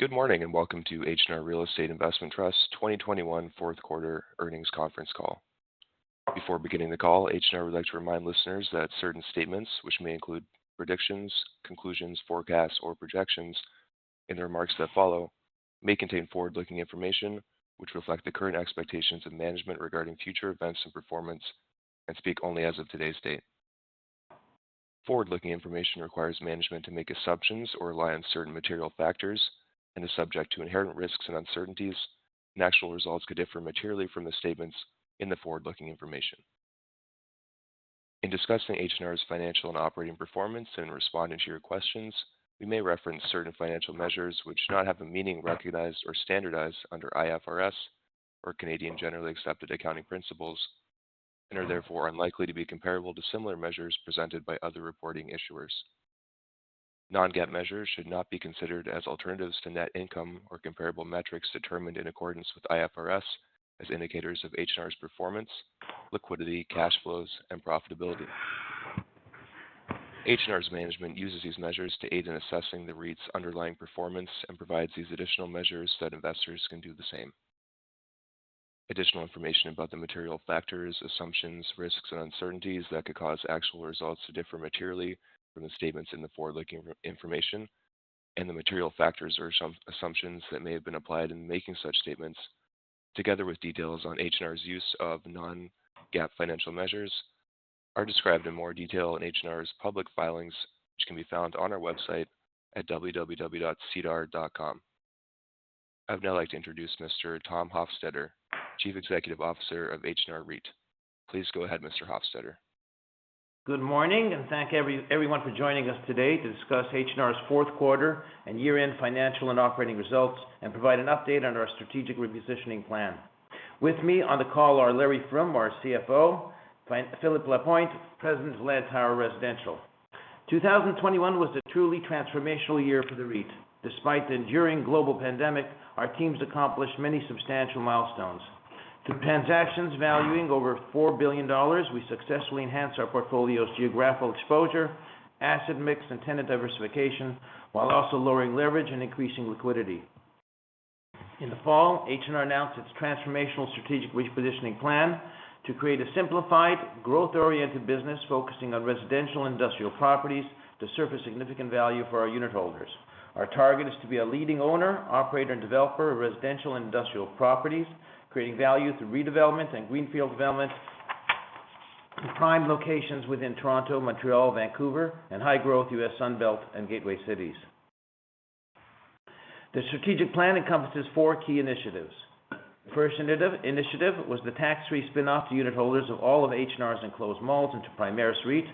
Good morning, and welcome to H&R Real Estate Investment Trust 2021 fourth quarter earnings conference call. Before beginning the call, H&R would like to remind listeners that certain statements which may include predictions, conclusions, forecasts, or projections in the remarks that follow may contain forward-looking information which reflect the current expectations of management regarding future events and performance and speak only as of today's date. Forward-looking information requires management to make assumptions or rely on certain material factors and are subject to inherent risks and uncertainties, and actual results could differ materially from the statements in the forward-looking information. In discussing H&R's financial and operating performance and responding to your questions, we may reference certain financial measures which do not have the meaning recognized or standardized under IFRS or Canadian generally accepted accounting principles and are therefore unlikely to be comparable to similar measures presented by other reporting issuers. Non-GAAP measures should not be considered as alternatives to net income or comparable metrics determined in accordance with IFRS as indicators of H&R's performance, liquidity, cash flows, and profitability. H&R's management uses these measures to aid in assessing the REIT's underlying performance and provides these additional measures so that investors can do the same. Additional information about the material factors, assumptions, risks, and uncertainties that could cause actual results to differ materially from the statements in the forward-looking information and the material factors or assumptions that may have been applied in making such statements, together with details on H&R's use of non-GAAP financial measures, are described in more detail in H&R's public filings, which can be found on our website at www.sedar.com. I'd now like to introduce Mr. Tom Hofstedter, Chief Executive Officer of H&R REIT. Please go ahead, Mr. Hofstedter. Good morning, and thank everyone for joining us today to discuss H&R's fourth quarter and year-end financial and operating results and provide an update on our strategic repositioning plan. With me on the call are Larry Froom, our CFO, and Philippe Lapointe, President of Lantower Residential. 2021 was a truly transformational year for the REIT. Despite the enduring global pandemic, our teams accomplished many substantial milestones. Through transactions valuing over 4 billion dollars, we successfully enhanced our portfolio's geographical exposure, asset mix, and tenant diversification, while also lowering leverage and increasing liquidity. In the fall, H&R announced its transformational strategic repositioning plan to create a simplified, growth-oriented business focusing on residential industrial properties to surface significant value for our unitholders. Our target is to be a leading owner, operator, and developer of residential and industrial properties, creating value through redevelopment and greenfield development in prime locations within Toronto, Montreal, Vancouver, and high-growth U.S. Sun Belt and gateway cities. The strategic plan encompasses four key initiatives. The first initiative was the tax-free spin-off to unitholders of all of H&R's enclosed malls into Primaris REIT,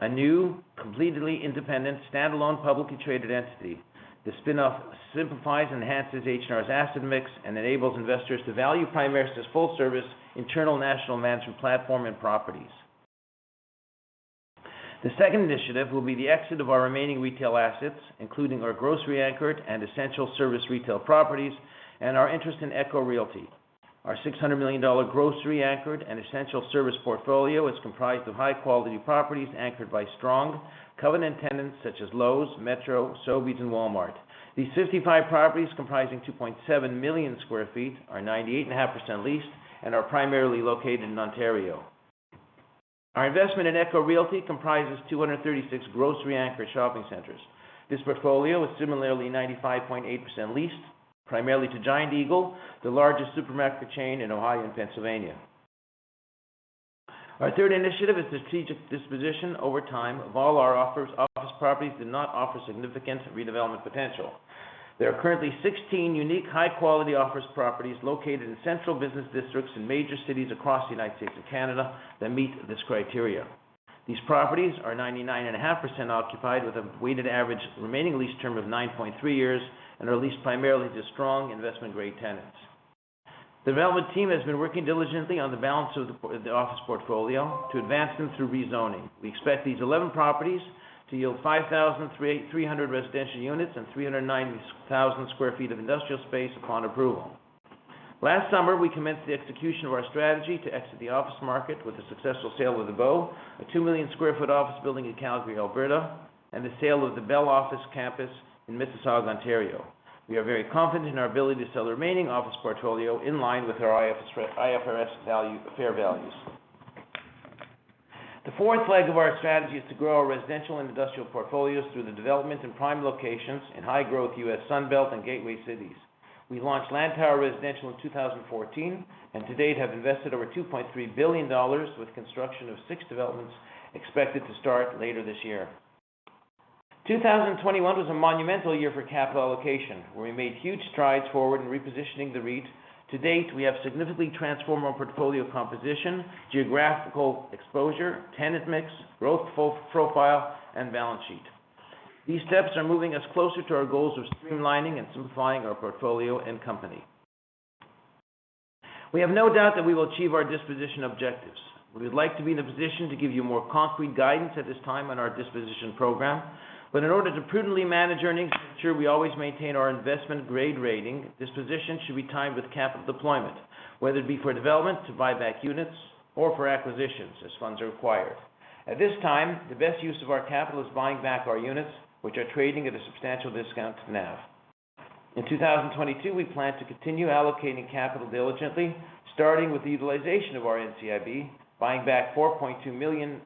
a new, completely independent, standalone, publicly traded entity. The spin-off simplifies and enhances H&R's asset mix and enables investors to value Primaris' full-service internal national management platform and properties. The second initiative will be the exit of our remaining retail assets, including our grocery-anchored and essential service retail properties and our interest in ECHO Realty. Our $600 million grocery-anchored and essential service portfolio is comprised of high-quality properties anchored by strong covenant tenants such as Lowe's, Metro, Sobeys, and Walmart. These 55 properties, comprising 2.7 million sq ft, are 98.5% leased and are primarily located in Ontario. Our investment in ECHO Realty comprises 236 grocery-anchored shopping centers. This portfolio is similarly 95.8% leased, primarily to Giant Eagle, the largest supermarket chain in Ohio and Pennsylvania. Our third initiative is strategic disposition over time of all our office properties that do not offer significant redevelopment potential. There are currently 16 unique high-quality office properties located in central business districts in major cities across the United States and Canada that meet this criteria. These properties are 99.5% occupied with a weighted average remaining lease term of 9.3 years and are leased primarily to strong investment-grade tenants. Development team has been working diligently on the balance of the office portfolio to advance them through rezoning. We expect these 11 properties to yield 5,300 residential units and 390,000 sq ft of industrial space upon approval. Last summer, we commenced the execution of our strategy to exit the office market with the successful sale of The Bow, a 2 million sq ft office building in Calgary, Alberta, and the sale of The Bell office campus in Mississauga, Ontario. We are very confident in our ability to sell the remaining office portfolio in line with our IFRS fair values. The fourth leg of our strategy is to grow our residential and industrial portfolios through the development in prime locations in high-growth U.S. Sun Belt and gateway cities. We launched Lantower Residential in 2014, and to date have invested over $2.3 billion with construction of 6 developments expected to start later this year. 2021 was a monumental year for capital allocation, where we made huge strides forward in repositioning the REIT. To date, we have significantly transformed our portfolio composition, geographical exposure, tenant mix, growth profile, and balance sheet. These steps are moving us closer to our goals of streamlining and simplifying our portfolio and company. We have no doubt that we will achieve our disposition objectives. We would like to be in a position to give you more concrete guidance at this time on our disposition program, but in order to prudently manage earnings per share, we always maintain our investment-grade rating. Disposition should be timed with capital deployment, whether it be for development, to buy back units, or for acquisitions, as funds are required. At this time, the best use of our capital is buying back our units, which are trading at a substantial discount to NAV. In 2022, we plan to continue allocating capital diligently, starting with the utilization of our NCIB, buying back 4.2 million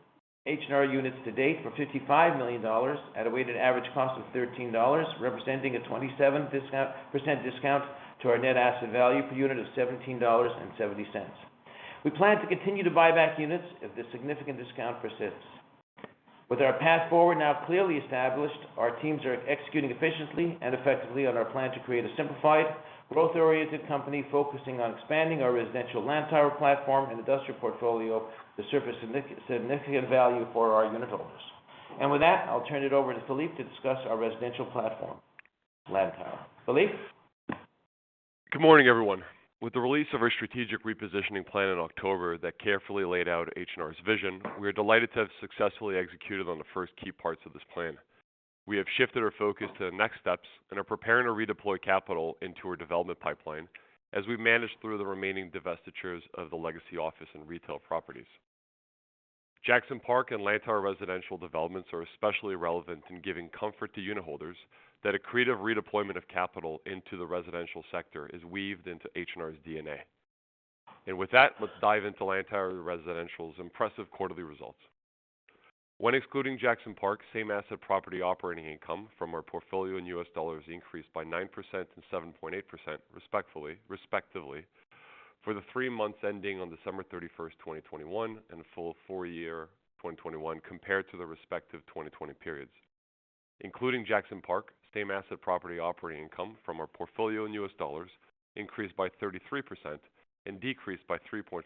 H&R units to date for 55 million dollars at a weighted average cost of 13 dollars, representing a 27% discount to our net asset value per unit of 17.70 dollars. We plan to continue to buy back units if the significant discount persists. With our path forward now clearly established, our teams are executing efficiently and effectively on our plan to create a simplified, growth-oriented company focusing on expanding our residential Lantower platform and industrial portfolio to surface significant value for our unit holders. With that, I'll turn it over to Philippe to discuss our residential platform, Lantower. Philippe. Good morning, everyone. With the release of our strategic repositioning plan in October that carefully laid out H&R's vision, we are delighted to have successfully executed on the first key parts of this plan. We have shifted our focus to the next steps and are preparing to redeploy capital into our development pipeline as we manage through the remaining divestitures of the legacy office and retail properties. Jackson Park and Lantower Residential developments are especially relevant in giving comfort to unitholders that a creative redeployment of capital into the residential sector is weaved into H&R's DNA. With that, let's dive into Lantower Residential's impressive quarterly results. When excluding Jackson Park, same asset property operating income from our portfolio in U.S. dollars increased by 9% and 7.8% respectively for the three months ending on December 31st, 2021, and for the full year 2021 compared to the respective 2020 periods. Including Jackson Park, same asset property operating income from our portfolio in U.S. dollars increased by 33% and decreased by 3.5%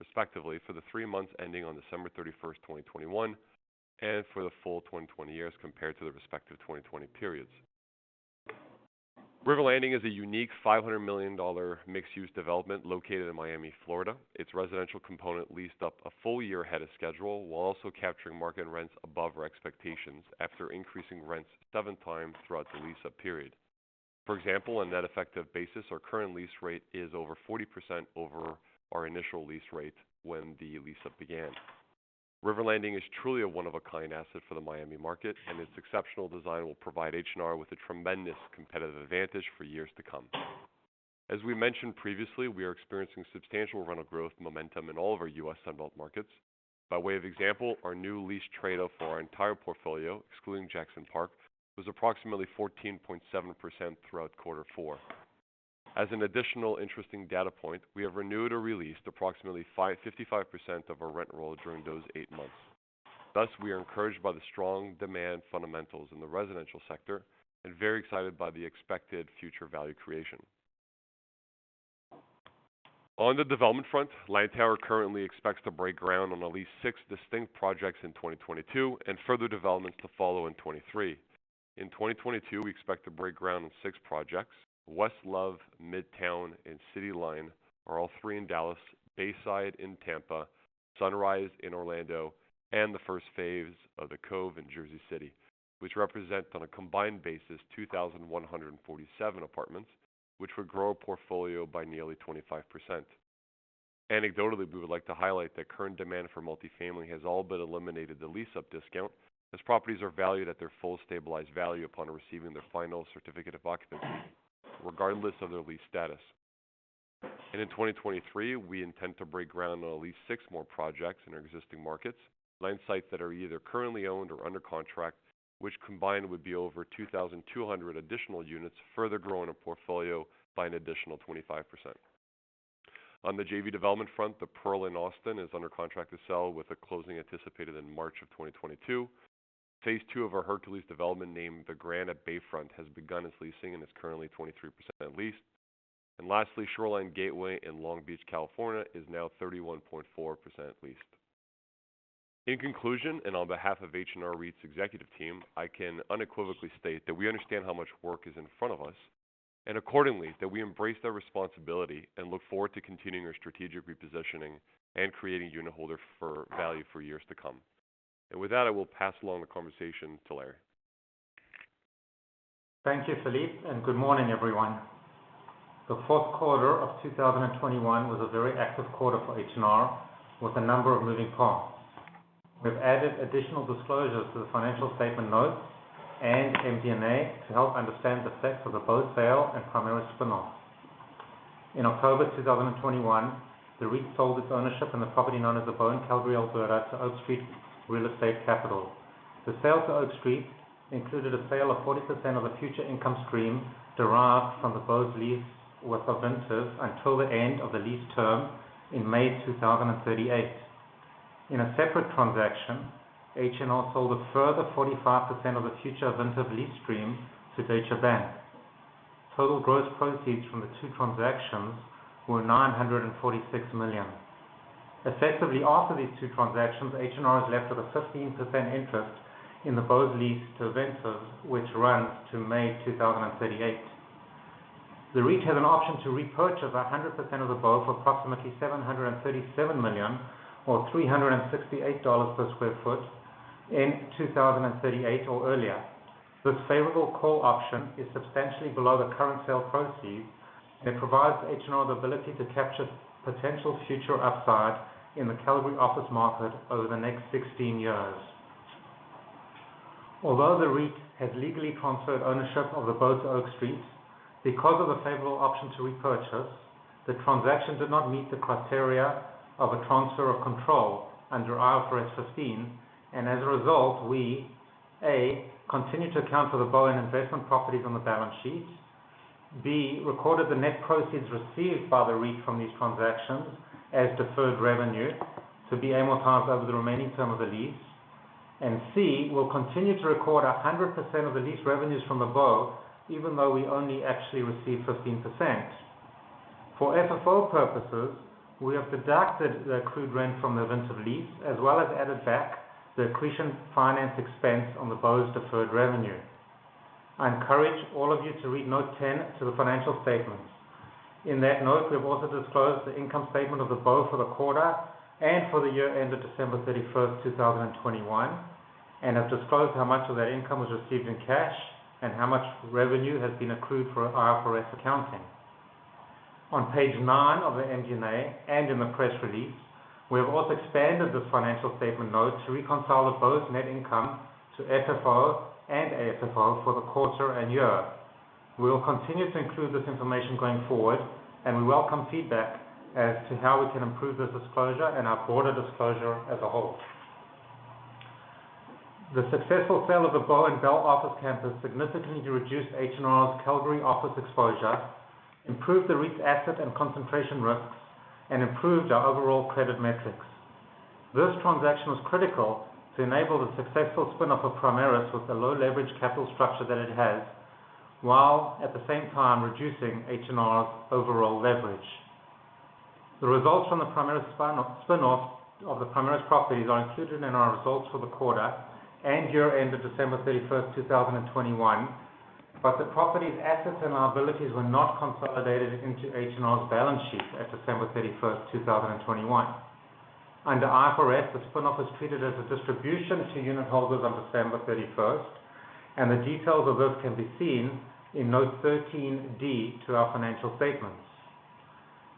respectively for the three months ending on December 31st, 2021, and for the full year 2020 compared to the respective 2020 periods. River Landing is a unique $500 million mixed-use development located in Miami, Florida. Its residential component leased up a full year ahead of schedule, while also capturing market rents above our expectations after increasing rents seven times throughout the lease-up period. For example, on net effective basis, our current lease rate is over 40% over our initial lease rate when the lease-up began. River Landing is truly a one of a kind asset for the Miami market, and its exceptional design will provide H&R with a tremendous competitive advantage for years to come. We mentioned previously, we are experiencing substantial rental growth momentum in all of our U.S. Sunbelt markets. By way of example, our new lease rate up for our entire portfolio, excluding Jackson Park, was approximately 14.7% throughout quarter four. As an additional interesting data point, we have renewed or released approximately 55% of our rent roll during those eight months. We are encouraged by the strong demand fundamentals in the residential sector and very excited by the expected future value creation. On the development front, Lantower currently expects to break ground on at least six distinct projects in 2022 and further developments to follow in 2023. In 2022, we expect to break ground on six projects. West Love, Midtown, and CityLine are all three in Dallas, Bayside in Tampa, Sunrise in Orlando, and the first phase of The Cove in Jersey City, which represent, on a combined basis, 2,147 apartments, which would grow our portfolio by nearly 25%. Anecdotally, we would like to highlight that current demand for multifamily has all but eliminated the lease-up discount, as properties are valued at their full stabilized value upon receiving their final certificate of occupancy regardless of their lease status. In 2023, we intend to break ground on at least six more projects in our existing markets, land sites that are either currently owned or under contract, which combined would be over 2,200 additional units, further growing our portfolio by an additional 25%. On the JV development front, The Pearl in Austin is under contract to sell with a closing anticipated in March 2022. Phase II of our Hercules development, named The Grand at Bayfront, has begun its leasing and is currently 23% leased. Lastly, Shoreline Gateway in Long Beach, California is now 31.4% leased. In conclusion, and on behalf of H&R REIT's executive team, I can unequivocally state that we understand how much work is in front of us, and accordingly, that we embrace our responsibility and look forward to continuing our strategic repositioning and creating unitholder value for years to come. With that, I will pass along the conversation to Larry. Thank you, Philippe, and good morning, everyone. The fourth quarter of 2021 was a very active quarter for H&R with a number of moving parts. We've added additional disclosures to the financial statement notes and MD&A to help understand the effects of the Bow sale and Primaris spin-off. In October 2021, the REIT sold its ownership in the property known as The Bow in Calgary, Alberta, to Oak Street Real Estate Capital. The sale to Oak Street included a sale of 40% of the future income stream derived from The Bow's lease with Ovintiv until the end of the lease term in May 2038. In a separate transaction, H&R sold a further 45% of the future Ovintiv lease stream to Deutsche Bank. Total gross proceeds from the two transactions were 946 million. Effectively, after these two transactions, H&R is left with a 15% interest in The Bow's lease to Ovintiv, which runs to May 2038. The REIT has an option to repurchase 100% of The Bow for approximately 737 million or 368 dollars per sq ft. In 2038 or earlier. This favorable call option is substantially below the current sale proceeds, and it provides H&R the ability to capture potential future upside in the Calgary office market over the next 16 years. Although the REIT has legally transferred ownership of the Bow to Oak Street, because of the favorable option to repurchase, the transaction did not meet the criteria of a transfer of control under IFRS 15. As a result, we continue to account for the Bow in investment properties on the balance sheet. B, recorded the net proceeds received by the REIT from these transactions as deferred revenue to be amortized over the remaining term of the lease. C, we'll continue to record 100% of the lease revenues from above, even though we only actually receive 15%. For FFO purposes, we have deducted the accrued rent from the Ovintiv lease, as well as added back the accretion finance expense on the Bow's deferred revenue. I encourage all of you to read note 10 to the financial statements. In that note, we have also disclosed the income statement of the Bow for the quarter and for the year ended December 31st, 2021, and have disclosed how much of that income was received in cash and how much revenue has been accrued for IFRS accounting. On page nine of the MD&A and in the press release, we have also expanded this financial statement note to reconcile the Bow's net income to FFO and AFFO for the quarter and year. We will continue to include this information going forward, and we welcome feedback as to how we can improve this disclosure and our broader disclosure as a whole. The successful sale of the Bow and Bell office campus significantly reduced H&R's Calgary office exposure, improved the REIT's asset and concentration risks, and improved our overall credit metrics. This transaction was critical to enable the successful spin off of Primaris with the low leverage capital structure that it has, while at the same time reducing H&R's overall leverage. The results from the Primaris spinoff of the Primaris properties are included in our results for the quarter and year ended December 31st, 2021. The property's assets and liabilities were not consolidated into H&R's balance sheet at December 31st, 2021. Under IFRS, the spin-off is treated as a distribution to unitholders on December 31st, and the details of this can be seen in note 13D to our financial statements.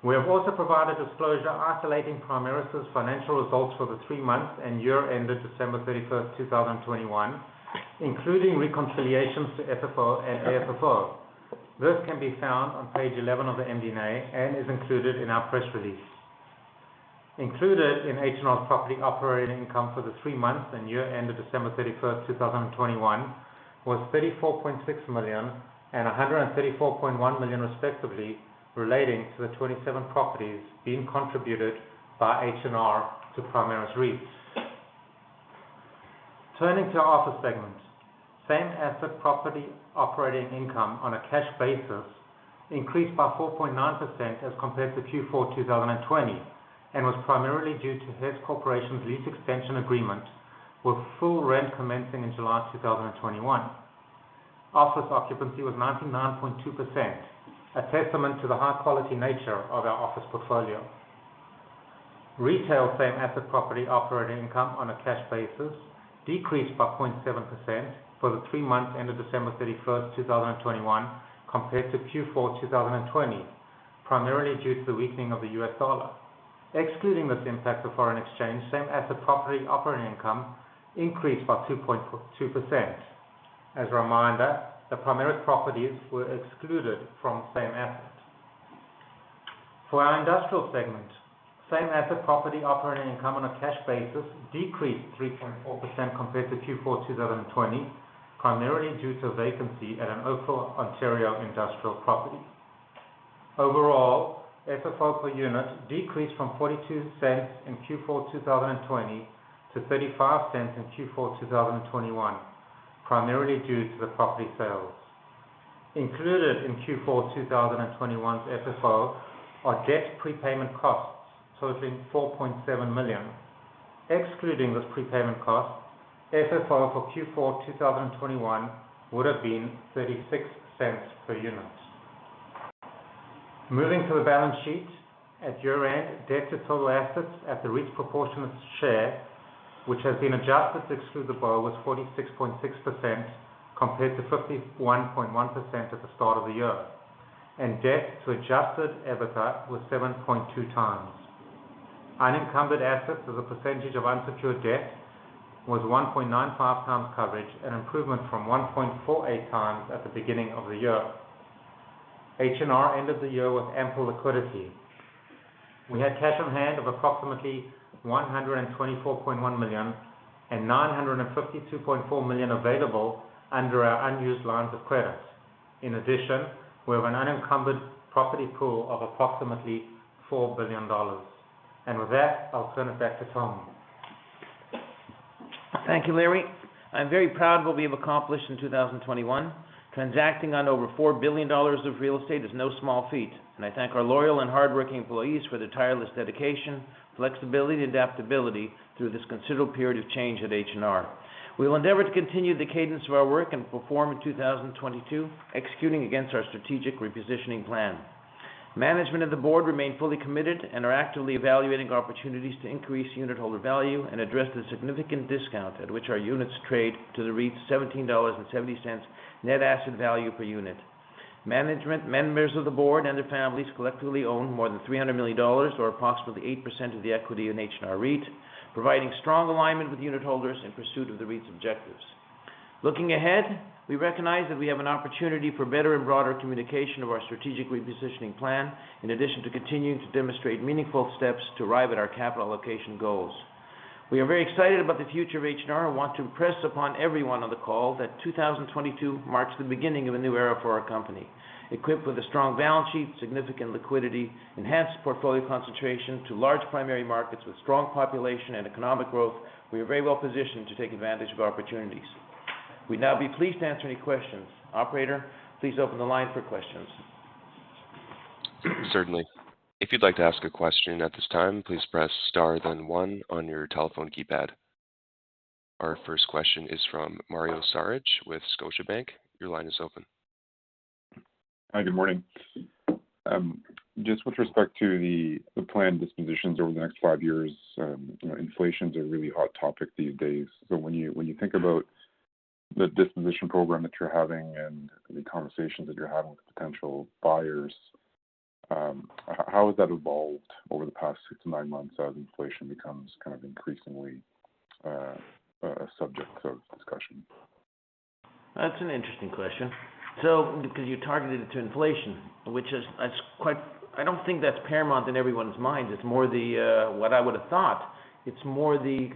We have also provided disclosure isolating Primaris' financial results for the three months and year ended December 31st, 2021, including reconciliations to FFO and AFFO. This can be found on page 11 of the MD&A and is included in our press release. Included in H&R's property operating income for the three months and year ended December 31st, 2021, was 34.6 million and 134.1 million respectively, relating to the 27 properties being contributed by H&R to Primaris REIT. Turning to office segment. Same-asset property operating income on a cash basis increased by 4.9% as compared to Q4 2020, and was primarily due to Hess Corporation's lease extension agreement, with full rent commencing in July 2021. Office occupancy was 99.2%, a testament to the high quality nature of our office portfolio. Retail same-asset property operating income on a cash basis decreased by 0.7% for the three months ended December 31st, 2021, compared to Q4 2020, primarily due to the weakening of the U.S. dollar. Excluding this impact of foreign exchange, same-asset property operating income increased by 2.2%. As a reminder, the Primaris properties were excluded from same asset. For our industrial segment, same-asset property operating income on a cash basis decreased 3.4% compared to Q4 2020, primarily due to vacancy at an Oakville, Ontario industrial property. Overall, FFO per unit decreased from 0.42 in Q4 2020 to 0.35 in Q4 2021, primarily due to the property sales. Included in Q4 2021's FFO are debt prepayment costs totaling 4.7 million. Excluding this prepayment cost, FFO for Q4 2021 would have been 0.36 per unit. Moving to the balance sheet. At year-end, debt to total assets at the REIT's proportionate share, which has been adjusted to exclude the Bow, was 46.6% compared to 51.1% at the start of the year. Debt to adjusted EBITDA was 7.2 times. Unencumbered assets as a percentage of unsecured debt was 1.9 times coverage, an improvement from 1.4 times at the beginning of the year. H&R ended the year with ample liquidity. We had cash on hand of approximately 124.1 million and 952.4 million available under our unused lines of credit. In addition, we have an unencumbered property pool of approximately 4 billion dollars. With that, I'll turn it back to Tom. Thank you, Larry. I'm very proud of what we have accomplished in 2021. Transacting on over 4 billion dollars of real estate is no small feat, and I thank our loyal and hardworking employees for their tireless dedication, flexibility, and adaptability through this considerable period of change at H&R. We will endeavor to continue the cadence of our work and perform in 2022, executing against our strategic repositioning plan. Management of the board remain fully committed and are actively evaluating opportunities to increase unit holder value and address the significant discount at which our units trade to the REIT's 17.70 dollars net asset value per unit. Management, members of the board, and their families collectively own more than 300 million dollars or approximately 8% of the equity in H&R REIT, providing strong alignment with unit holders in pursuit of the REIT's objectives. Looking ahead, we recognize that we have an opportunity for better and broader communication of our strategic repositioning plan, in addition to continuing to demonstrate meaningful steps to arrive at our capital allocation goals. We are very excited about the future of H&R and want to impress upon everyone on the call that 2022 marks the beginning of a new era for our company. Equipped with a strong balance sheet, significant liquidity, enhanced portfolio concentration to large primary markets with strong population and economic growth, we are very well positioned to take advantage of opportunities. We'd now be pleased to answer any questions. Operator, please open the line for questions. Certainly. If you'd like to ask a question at this time, please press star then one on your telephone keypad. Our first question is from Mario Saric with Scotiabank. Your line is open. Hi, good morning. Just with respect to the planned dispositions over the next five years, you know, inflation's a really hot topic these days. When you think about the disposition program that you're having and the conversations that you're having with potential buyers, how has that evolved over the past six to nine months as inflation becomes kind of increasingly a subject of discussion? That's an interesting question. Because you targeted it to inflation, which is quite. I don't think that's paramount in everyone's minds. It's more the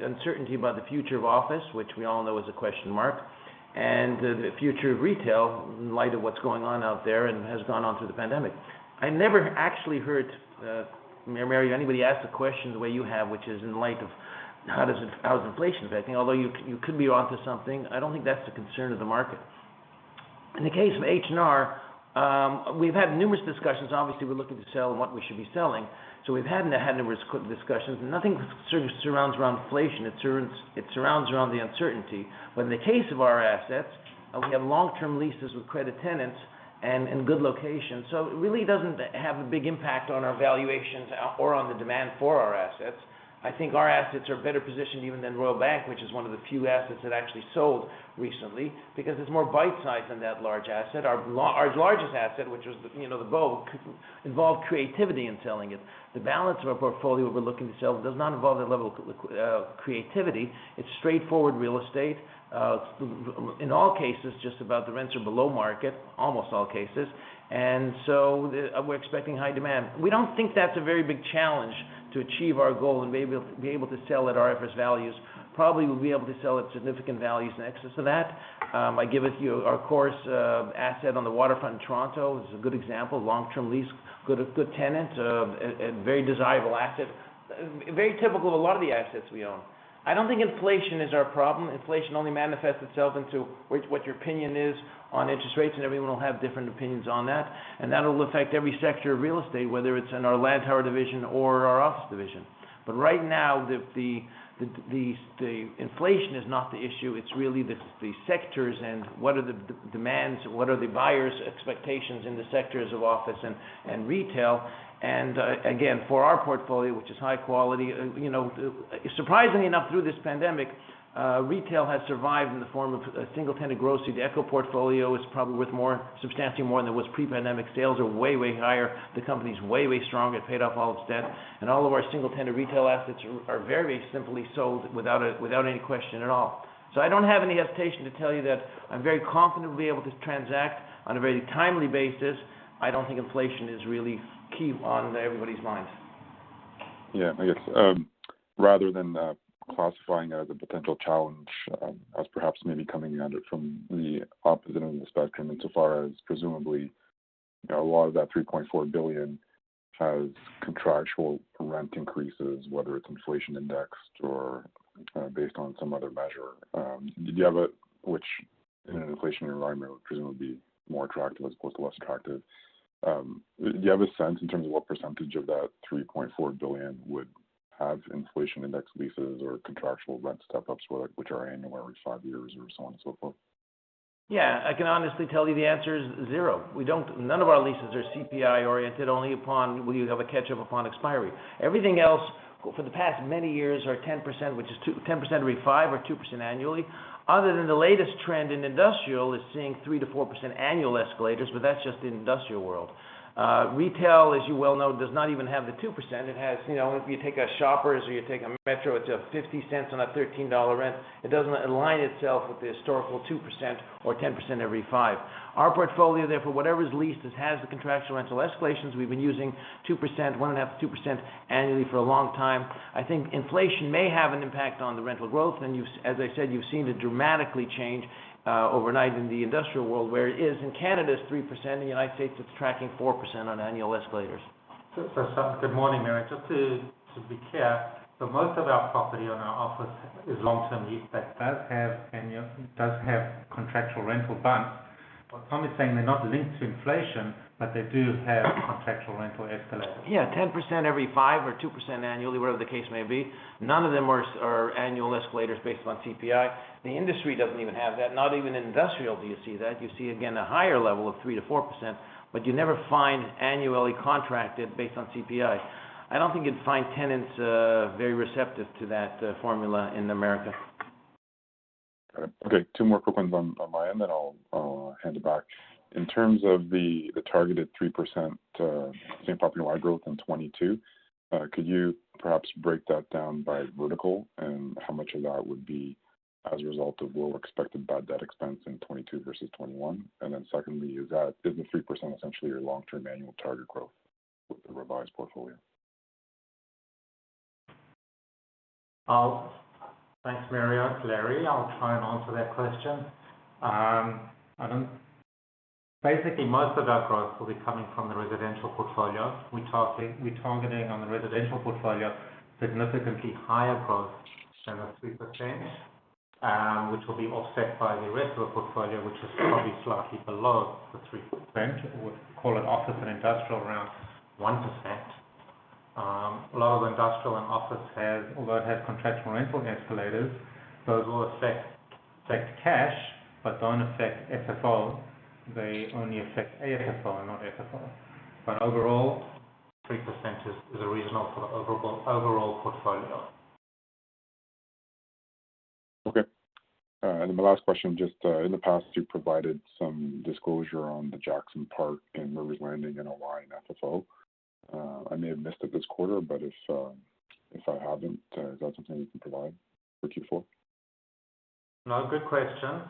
uncertainty about the future of office, which we all know is a question mark, and the future of retail in light of what's going on out there and has gone on through the pandemic. I never actually heard, Mario, anybody ask the question the way you have, which is in light of how does inflation affect? Although you could be onto something, I don't think that's the concern of the market. In the case of H&R, we've had numerous discussions. Obviously, we're looking to sell and what we should be selling. We've had numerous discussions. Nothing sort of surrounds around inflation. It surrounds around the uncertainty. In the case of our assets, we have long-term leases with credit tenants and in good locations. It really doesn't have a big impact on our valuations or on the demand for our assets. I think our assets are better positioned even than Royal Bank, which is one of the few assets that actually sold recently because it's more bite-sized than that large asset. Our largest asset, which is, you know, The Bow, could involve creativity in selling it. The balance of our portfolio we're looking to sell does not involve that level of creativity. It's straightforward real estate. In all cases, just about the rents are below market, almost all cases. We're expecting high demand. We don't think that's a very big challenge to achieve our goal and may be able to sell at IFRS values. Probably we'll be able to sell at significant values in excess of that. I give it to you, of course, asset on the waterfront in Toronto is a good example. Long-term lease, good tenant, a very desirable asset. Very typical of a lot of the assets we own. I don't think inflation is our problem. Inflation only manifests itself into what your opinion is on interest rates, and everyone will have different opinions on that. That'll affect every sector of real estate, whether it's in our Lantower division or our office division. Right now, the inflation is not the issue. It's really the sectors and what are the demands, what are the buyers' expectations in the sectors of office and retail. For our portfolio, which is high quality, you know, surprisingly enough, through this pandemic, retail has survived in the form of a single tenant grocery. The ECHO Realty portfolio is probably worth more, substantially more than it was pre-pandemic. Sales are way higher. The company is way stronger. It paid off all its debt. All of our single tenant retail assets are very simply sold without any question at all. I don't have any hesitation to tell you that I'm very confident we'll be able to transact on a very timely basis. I don't think inflation is really key on everybody's minds. Yeah. I guess, rather than classifying as a potential challenge, as perhaps maybe coming at it from the opposite end of the spectrum insofar as presumably, you know, a lot of that 3.4 billion has contractual rent increases, whether it's inflation indexed or based on some other measure. Which in an inflation environment would presumably be more attractive as opposed to less attractive. Do you have a sense in terms of what percentage of that 3.4 billion would have inflation indexed leases or contractual rent step-ups, which are annual every five years or so on and so forth? Yeah. I can honestly tell you the answer is zero. None of our leases are CPI-oriented, only upon expiry will you have a catch-up upon expiry. Everything else for the past many years are 10%, which is 10% every five or 2% annually. Other than the latest trend in industrial is seeing 3% to 4% annual escalators, but that's just the industrial world. Retail, as you well know, does not even have the 2%. It has, you know, if you take a Shoppers or you take a Metro, it's 0.50 on a 13 dollar rent. It doesn't align itself with the historical 2% or 10% every five. Our portfolio, therefore, whatever is leased, it has the contractual rental escalations. We've been using 1.5% to 2% annually for a long time. I think inflation may have an impact on the rental growth. You've, as I said, seen it dramatically change overnight in the industrial world, where it is in Canada, it's 3%. In the United States, it's tracking 4% on annual escalators. Good morning, Mario. Just to be clear, most of our property on our office is long-term lease that does have annual contractual rental bumps. Tom is saying they're not linked to inflation, but they do have contractual rental escalators. Yeah, 10% every five or 2% annually, whatever the case may be. None of them are annual escalators based on CPI. The industry doesn't even have that. Not even industrial do you see that. You see, again, a higher level of 3% to 4%, but you never find annually contracted based on CPI. I don't think you'd find tenants very receptive to that formula in America. Got it. Okay, two more quick ones on my end, then I'll hand it back. In terms of the targeted 3% same property wide growth in 2022, could you perhaps break that down by vertical and how much of that would be as a result of lower expected bad debt expense in 2022 versus 2021? And then secondly, is the 3% essentially your long-term annual target growth with the revised portfolio? Thanks, Mario. It's Larry. I'll try and answer that question. Basically, most of our growth will be coming from the residential portfolio. We're targeting on the residential portfolio, significantly higher growth than the 3%, which will be offset by the rest of the portfolio, which is probably slightly below the 3%. We call it office and industrial around 1%. A lot of industrial and office has, although it has contractual rental escalators, those will affect cash, but don't affect FFO. They only affect AFFO, not FFO. Overall, 3% is reasonable for the overall portfolio. Okay. My last question, just, in the past, you provided some disclosure on the Jackson Park and River Landing and ROI and FFO. I may have missed it this quarter, but if I haven't, is that something you can provide for Q4? No, good question.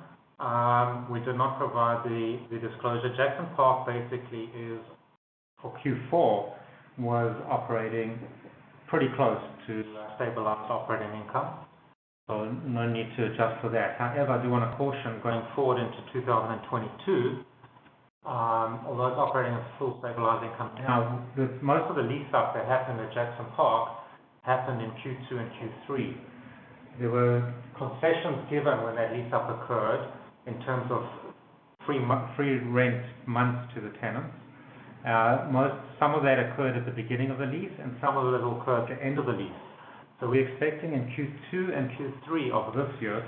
We did not provide the disclosure. Jackson Park basically is for Q4, was operating pretty close to a stabilized operating income, so no need to adjust for that. However, I do want to caution going forward into 2022, although it's operating at full stabilized income now, most of the lease up that happened at Jackson Park happened in Q2 and Q3. There were concessions given when that lease up occurred in terms of free rent months to the tenants. Most, some of that occurred at the beginning of the lease and some of that occurred at the end of the lease. We're expecting in Q2 and Q3 of this year,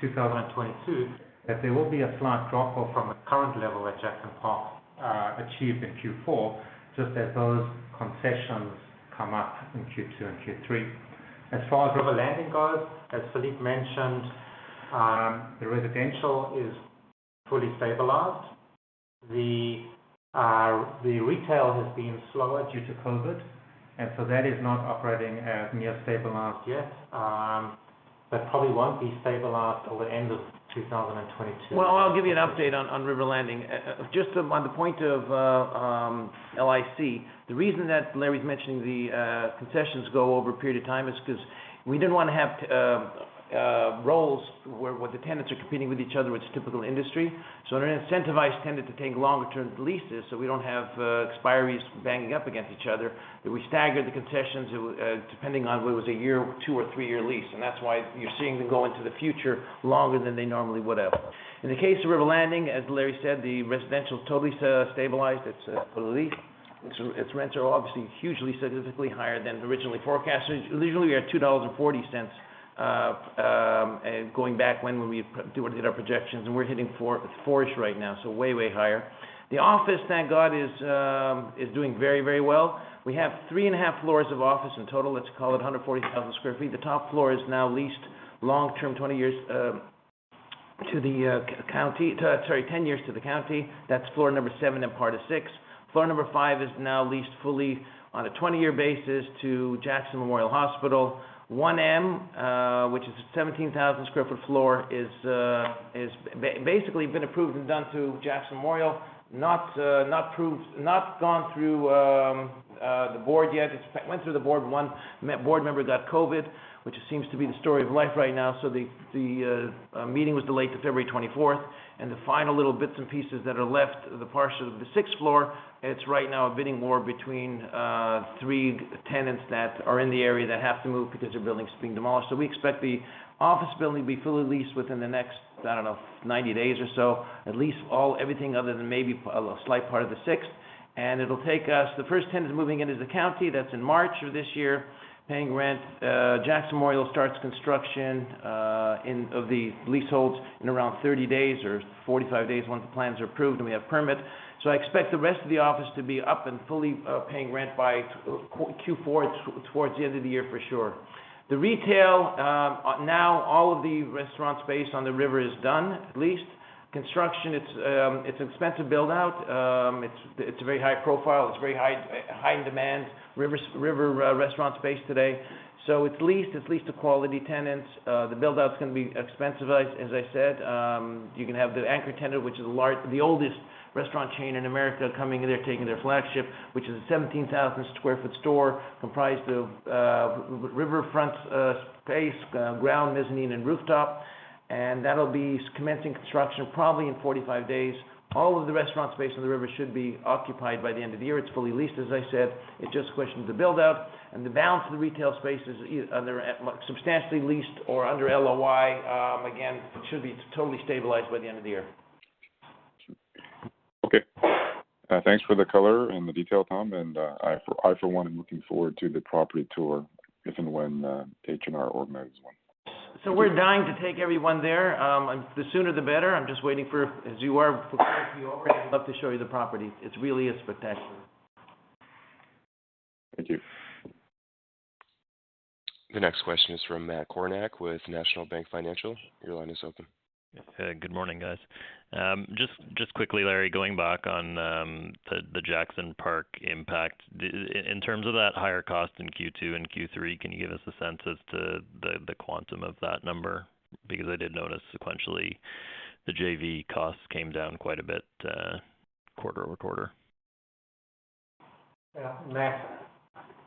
2022, that there will be a slight drop off from the current level at Jackson Park achieved in Q4, just as those concessions come up in Q2 and Q3. As far as River Landing goes, as Philippe mentioned, the residential is fully stabilized. The retail has been slower due to COVID, and so that is not operating as near stabilized yet. That probably won't be stabilized till the end of 2022. Well, I'll give you an update on River Landing. Just on the point of LIC. The reason that Larry's mentioning the concessions go over a period of time is because we didn't want to have roles where the tenants are competing with each other, which is typical industry. To incentivize tenants to take longer term leases, we don't have expiries banging up against each other, that we staggered the concessions depending on whether it was a year or two or three-year lease. That's why you're seeing them go into the future longer than they normally would have. In the case of River Landing, as Larry said, the residential totally stabilized. It's fully leased. Its rents are obviously hugely, significantly higher than originally forecasted. Usually, we had $2.40, going back when we do hit our projections, and we're hitting 4-ish right now, so way higher. The office, thank God, is doing very well. We have 3.5 floors of office in total. Let's call it 140,000 sq ft. The top floor is now leased long-term, 20 years, to the county. Sorry, 10 years to the county. That's floor seven and part of six. Floor five is now leased fully on a 20-year basis to Jackson Memorial Hospital. 1M, which is a 17,000 sq ft floor is basically been approved and done through Jackson Memorial. Not approved, not gone through the board yet. It went through the board. One board member got COVID, which seems to be the story of life right now. The meeting was delayed to February 24th. The final little bits and pieces that are left, the parcel of the sixth floor, it's right now a bidding war between three tenants that are in the area that have to move because their building's being demolished. We expect the office building to be fully leased within the next, I don't know, 90 days or so, at least all, everything other than maybe a slight part of the sixth. It'll take us. The first tenant is moving into the county. That's in March of this year, paying rent. Jackson Memorial starts construction of the leaseholds in around 30 days or 45 days once the plans are approved and we have permit. I expect the rest of the office to be up and fully paying rent by Q4 towards the end of the year for sure. The retail now all of the restaurant space on the river is done, leased. Construction it's expensive build out. It's very high profile. It's very high in demand river restaurant space today. It's leased. It's leased to quality tenants. The build out's gonna be expensive, as I said. You can have the anchor tenant, which is the largest, the oldest restaurant chain in America, coming in there, taking their flagship, which is a 17,000 sq ft store comprised of riverfront space, ground, mezzanine, and rooftop. That'll be commencing construction probably in 45 days. All of the restaurant space on the river should be occupied by the end of the year. It's fully leased, as I said. It's just a question of the build out. The balance of the retail space is substantially leased or under LOI. Again, it should be totally stabilized by the end of the year. Okay. Thanks for the color and the detail, Tom, and I, for one, am looking forward to the property tour if and when H&R organizes one. We're dying to take everyone there, and the sooner the better. I'm just waiting. I'd love to show you the property. It really is spectacular. Thank you. The next question is from Matt Kornack with National Bank Financial. Your line is open. Hey, good morning, guys. Just quickly, Larry, going back on the Jackson Park impact. In terms of that higher cost in Q2 and Q3, can you give us a sense as to the quantum of that number? Because I did notice sequentially the JV costs came down quite a bit, quarter-over-quarter. Yeah, Matt,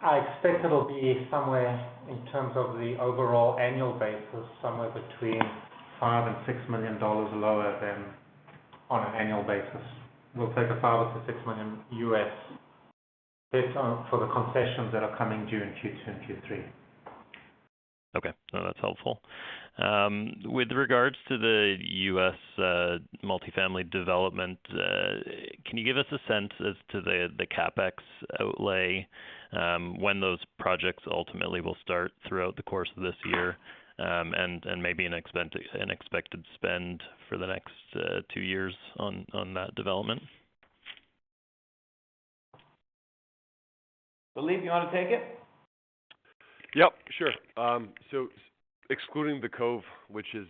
I expect it'll be somewhere in terms of the overall annual basis, somewhere between $5 million and $6 million lower than on an annual basis. We'll take a $5 million to $6 million based on, for the concessions that are coming due in Q2 and Q3. Okay. No, that's helpful. With regards to the U.S., multifamily development, can you give us a sense as to the CapEx outlay, when those projects ultimately will start throughout the course of this year, and maybe an expected spend for the next two years on that development? Philippe, you wanna take it? Yep, sure. Excluding The Cove, which is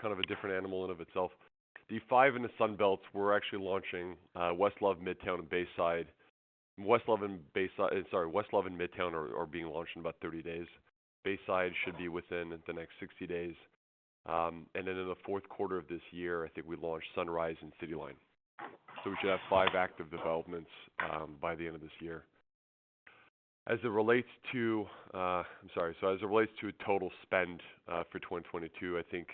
kind of a different animal in and of itself, the five in the Sun Belt we're actually launching West Love, Midtown, and Bayside. West Love and Midtown are being launched in about 30 days. Bayside should be within the next 60 days. In the fourth quarter of this year, I think we launch Sunrise and City Line. We should have five active developments by the end of this year. As it relates to total spend for 2022, I think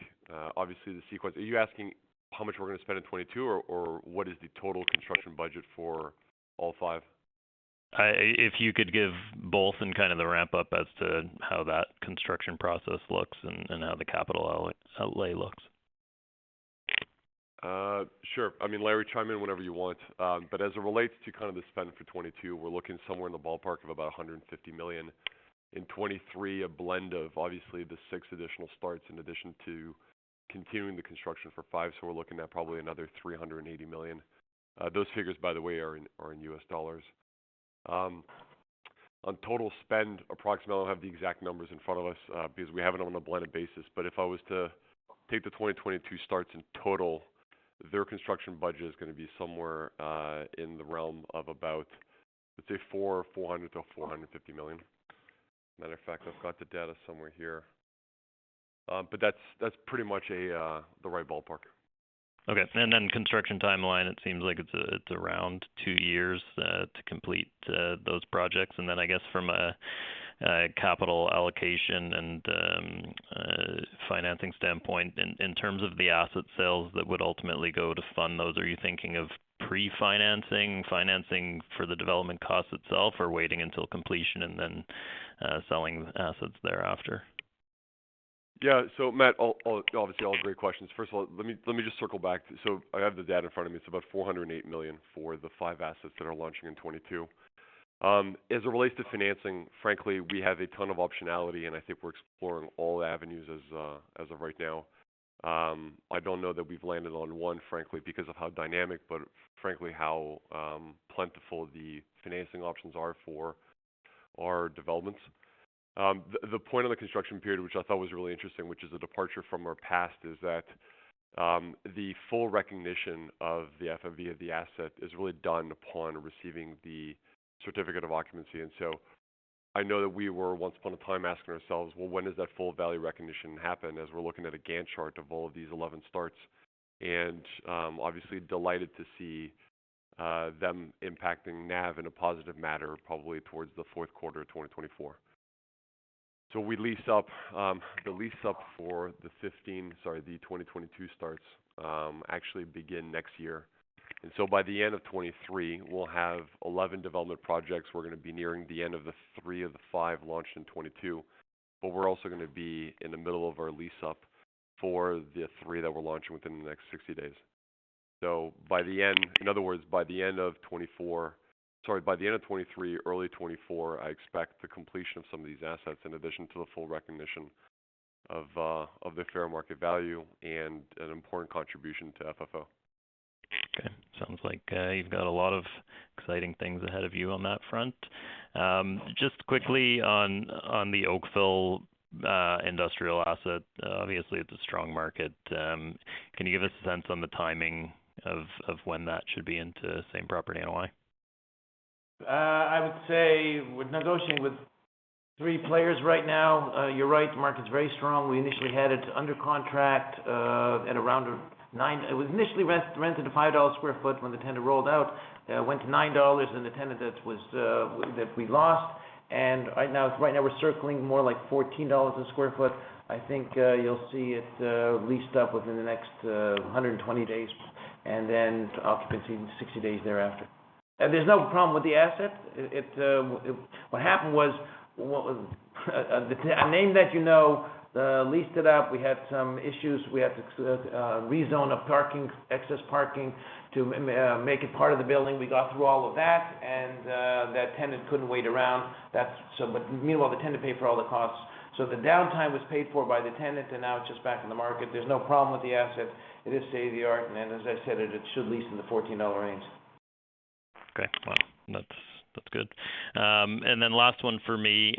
obviously the sequence. Are you asking how much we're gonna spend in 2022 or what is the total construction budget for all five? If you could give both and kind of the ramp up as to how that construction process looks and how the capital outlay looks. Sure. I mean, Larry, chime in whenever you want. As it relates to kind of the spend for 2022, we're looking somewhere in the ballpark of about $150 million. In 2023, a blend of obviously the six additional starts in addition to continuing the construction for five, so we're looking at probably another $380 million. Those figures, by the way, are in U.S. dollars. On total spend, approximately, I don't have the exact numbers in front of us, because we have it on a blended basis, but if I was to take the 2022 starts in total, their construction budget is gonna be somewhere in the realm of about, let's say $400 million to $450 million. Matter of fact, I've got the data somewhere here. That's pretty much the right ballpark. Okay. Then construction timeline, it seems like it's around two years to complete those projects. Then I guess from a capital allocation and a financing standpoint, in terms of the asset sales that would ultimately go to fund those, are you thinking of pre-financing, financing for the development cost itself or waiting until completion and then selling assets thereafter? Yeah. Matt, obviously all great questions. First of all, let me just circle back. I have the data in front of me. It's about 408 million for the five assets that are launching in 2022. As it relates to financing, frankly, we have a ton of optionality, and I think we're exploring all avenues as of right now. I don't know that we've landed on one, frankly, because of how dynamic, but frankly how plentiful the financing options are for our developments. The point of the construction period, which I thought was really interesting, which is a departure from our past, is that the full recognition of the FMV of the asset is really done upon receiving the certificate of occupancy. I know that we were once upon a time asking ourselves, "Well, when does that full value recognition happen as we're looking at a Gantt chart of all of these 11 starts?" Obviously delighted to see them impacting NAV in a positive manner probably towards the fourth quarter of 2024. We lease up the lease up for the 2022 starts actually begin next year. By the end of 2023, we'll have 11 development projects. We're gonna be nearing the end of the three of the five launched in 2022, but we're also gonna be in the middle of our lease up for the three that we're launching within the next 60 days. By the end, in other words, by the end of 2023, early 2024, I expect the completion of some of these assets in addition to the full recognition of the fair market value and an important contribution to FFO. Okay. Sounds like you've got a lot of exciting things ahead of you on that front. Just quickly on the Oakville industrial asset, obviously it's a strong market. Can you give us a sense on the timing of when that should be into same property NOI? I would say we're negotiating with three players right now. You're right, the market's very strong. We initially had it under contract at around $9, it was initially rented at $5 a sq ft when the tenant rolled out. Went to $9, and the tenant that we lost. Right now we're circling more like $14 a sq ft. I think you'll see it leased up within the next 120 days and then occupancy 60 days thereafter. There's no problem with the asset. What happened was, a name that you know leased it out. We had some issues. We had to rezone excess parking to make it part of the building. We got through all of that, and that tenant couldn't wait around. Meanwhile, the tenant paid for all the costs. The downtime was paid for by the tenant, and now it's just back in the market. There's no problem with the asset. It is state-of-the-art, and as I said, it should lease in the $14 range. Okay. Well, that's good. Then last one for me.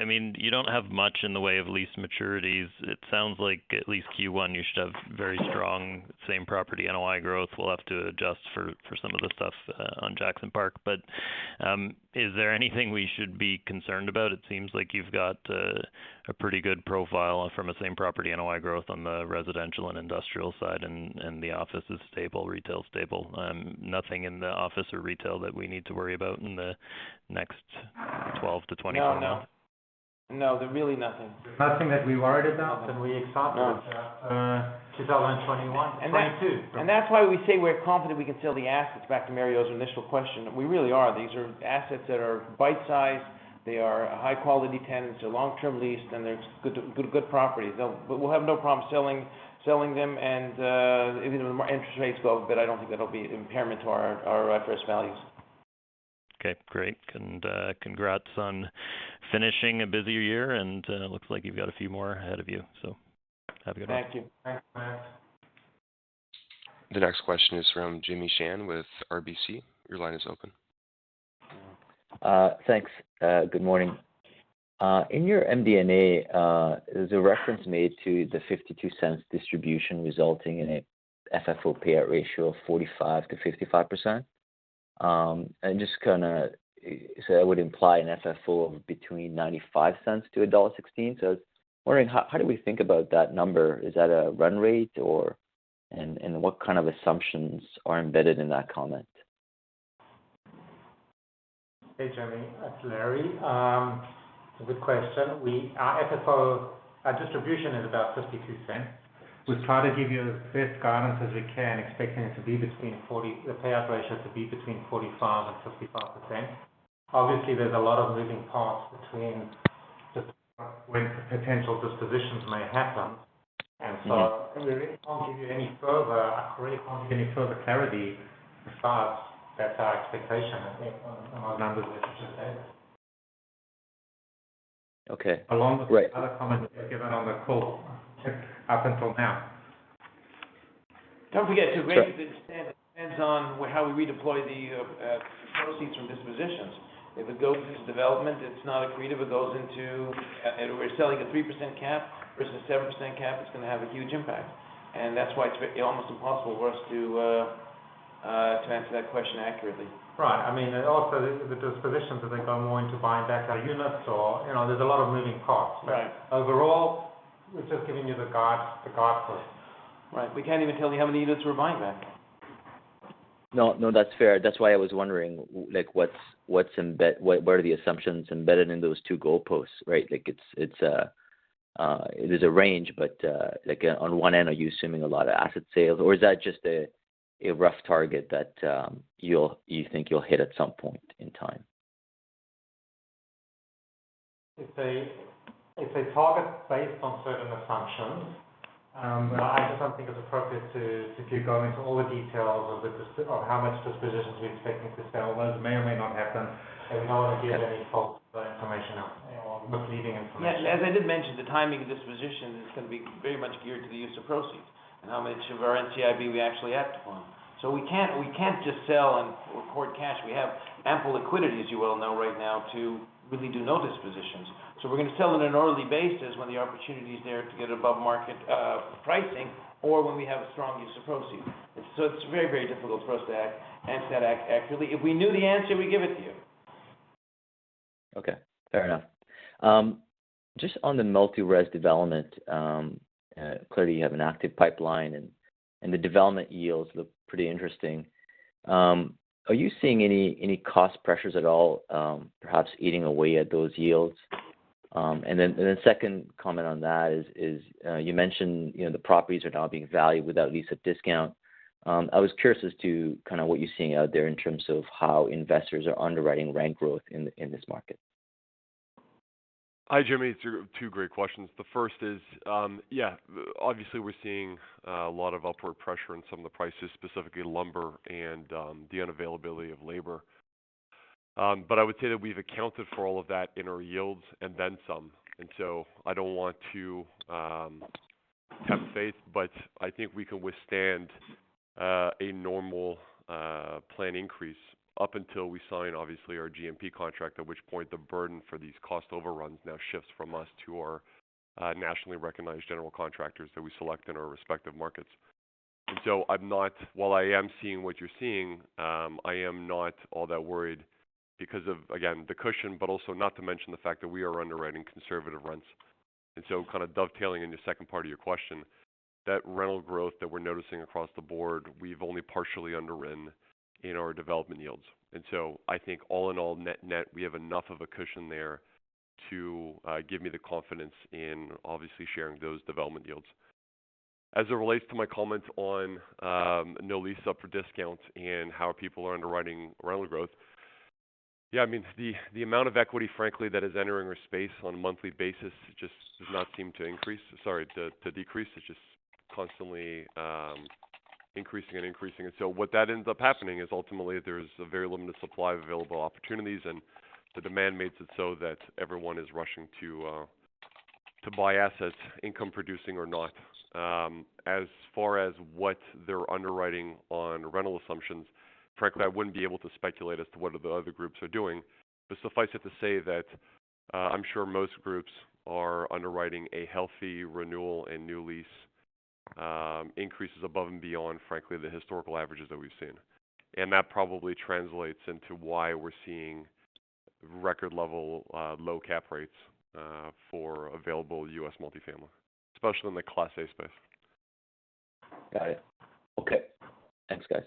I mean, you don't have much in the way of lease maturities. It sounds like at least Q1 you should have very strong same-property NOI growth. We'll have to adjust for some of the stuff on Jackson Park. Is there anything we should be concerned about? It seems like you've got a pretty good profile from a same-property NOI growth on the residential and industrial side and the office is stable, retail stable. Nothing in the office or retail that we need to worry about in the next 12 to 24 months? No. There's really nothing. Nothing that we worried about. Nothing we expect. Until then 2021, 2022. That's why we say we're confident we can sell the assets, back to Mario's initial question. We really are. These are assets that are bite-sized. They are high-quality tenants. They're long-term leased, and they're good properties. We'll have no problem selling them. Even if interest rates go, but I don't think that'll be impairment to our fair values. Okay, great. Congrats on finishing a busier year, and looks like you've got a few more ahead of you. Have a good one. Thank you. Thanks, Matt. The next question is from Jimmy Shan with RBC Capital Markets. Your line is open. Thanks. Good morning. In your MD&A, there's a reference made to the 0.52 distribution resulting in an FFO payout ratio of 45% to 55%. That would imply an FFO of between 0.95 to dollar 1.16. I was wondering, how do we think about that number? Is that a run rate? And what kind of assumptions are embedded in that comment? Hey, Jimmy, it's Larry. It's a good question. Our FFO, our distribution is about 0.52. We try to give you the best guidance as we can, expecting the payout ratio to be between 45% and 55%. Obviously, there's a lot of moving parts between just when potential dispositions may happen. Mm-hmm. I really can't give you any further clarity besides that's our expectation, I think, on the numbers that you just said. Okay, great. Along with the other comments that we've given on the call so far up until now. Don't forget too, Jimmy. Sure. It depends on how we redeploy the proceeds from dispositions. If it goes into development, it's not accretive. If we're selling a 3% cap versus a 7% cap, it's gonna have a huge impact. That's why it's almost impossible for us to answer that question accurately. Right. I mean, also the dispositions, I think I'm going to buy back our units or, you know, there's a lot of moving parts. Right. Overall, we're just giving you the guide, the guidance. Right. We can't even tell you how many units we're buying back. No, no, that's fair. That's why I was wondering, like, what are the assumptions embedded in those two goalposts, right? Like, it's a range, but like on one end, are you assuming a lot of asset sales, or is that just a rough target that you think you'll hit at some point in time? It's a target based on certain assumptions. I just don't think it's appropriate to keep going into all the details of the dispositions we're expecting to sell. Those may or may not happen. We don't wanna give any false information out there or misleading information. Yeah. As I did mention, the timing of disposition is gonna be very much geared to the use of proceeds and how much of our NCIB we actually act upon. We can't just sell and record cash. We have ample liquidity, as you well know, right now to really do no dispositions. We're gonna sell on an orderly basis when the opportunity is there to get above-market pricing or when we have a strong use of proceeds. It's very, very difficult for us to answer that accurately. If we knew the answer, we'd give it to you. Okay. Fair enough. Just on the multi-res development, clearly you have an active pipeline, and the development yields look pretty interesting. Are you seeing any cost pressures at all, perhaps eating away at those yields? Second comment on that is, you mentioned, you know, the properties are now being valued without lease-up discount. I was curious as to kind of what you're seeing out there in terms of how investors are underwriting rent growth in this market. Hi, Jimmy. Two great questions. The first is, yeah, obviously, we're seeing a lot of upward pressure in some of the prices, specifically lumber and the unavailability of labor. I would say that we've accounted for all of that in our yields and then some. I don't want to have faith, but I think we can withstand a normal planned increase up until we sign, obviously, our GMP contract, at which point the burden for these cost overruns now shifts from us to our nationally recognized general contractors that we select in our respective markets. While I am seeing what you're seeing, I am not all that worried because of, again, the cushion, but also not to mention the fact that we are underwriting conservative rents. Kind of dovetailing into the second part of your question, that rental growth that we're noticing across the board, we've only partially underwritten in our development yields. I think all in all net-net, we have enough of a cushion there to give me the confidence in obviously sharing those development yields. As it relates to my comments on no lease up for discounts and how people are underwriting rental growth. Yeah, I mean, the amount of equity, frankly, that is entering our space on a monthly basis just does not seem to decrease. It's just constantly increasing. What that ends up happening is, ultimately, there's a very limited supply of available opportunities, and the demand makes it so that everyone is rushing to buy assets, income producing or not. As far as what they're underwriting on rental assumptions, frankly, I wouldn't be able to speculate as to what the other groups are doing. Suffice it to say that I'm sure most groups are underwriting a healthy renewal and new lease increases above and beyond, frankly, the historical averages that we've seen. That probably translates into why we're seeing record level low cap rates for available U.S. multifamily, especially in the Class A space. Got it. Okay. Thanks, guys.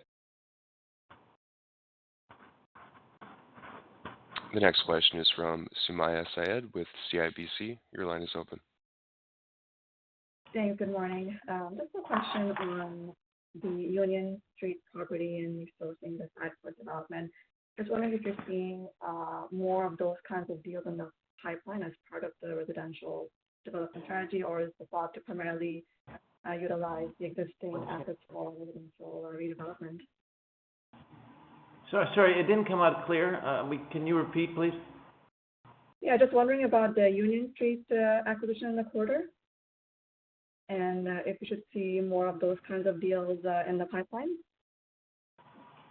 The next question is from Sumayya Syed with CIBC. Your line is open. Thanks. Good morning. Just a question on the Union Street property and exposing the site for development. I was wondering if you're seeing more of those kinds of deals in the pipeline as part of the residential development strategy, or is the thought to primarily utilize the existing assets for residential or redevelopment? Sorry, it didn't come out clear. Can you repeat, please? Yeah, just wondering about the Union Street acquisition in the quarter, and if we should see more of those kinds of deals in the pipeline.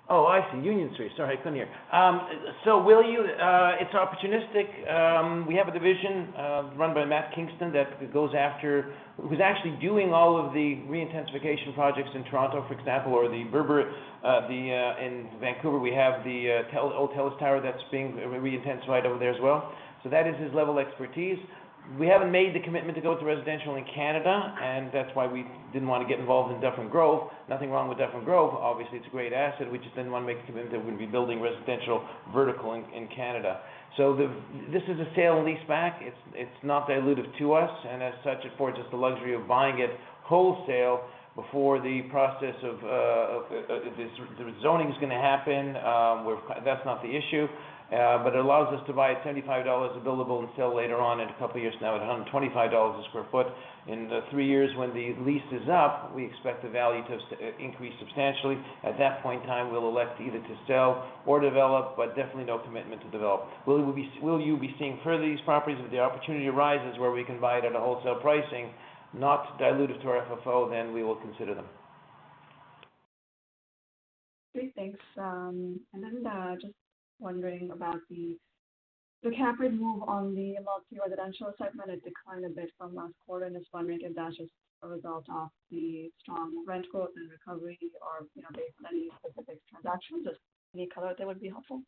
Oh, I see, Union Street. Sorry, I couldn't hear. It's opportunistic. We have a division run by Matt Kingston who's actually doing all of the re-intensification projects in Toronto, for example, or the Burrard, the, in Vancouver. We have the old TELUS tower that's being re-intensified over there as well. That is his level of expertise. We haven't made the commitment to go to residential in Canada, and that's why we didn't want to get involved in Dufferin Grove. Nothing wrong with Dufferin Grove. Obviously, it's a great asset. We just didn't want to make a commitment that we'd be building residential vertical in Canada. This is a sale and lease back. It's not dilutive to us, and as such, it affords us the luxury of buying it wholesale before the process of the rezoning is gonna happen. That's not the issue. But it allows us to buy at $75 a buildable and sell later on in a couple of years now at $125 a sq ft. In the three years when the lease is up, we expect the value to increase substantially. At that point in time, we'll elect either to sell or develop, but definitely no commitment to develop. Will you be seeing further these properties if the opportunity arises where we can buy it at a wholesale pricing not dilutive to our FFO, then we will consider them. Great. Thanks. Just wondering about the cap rate move on the multi-residential segment. It declined a bit from last quarter. Just wondering if that's just a result of the strong rent growth and recovery or, you know, based on any specific transactions. Just any color there would be helpful.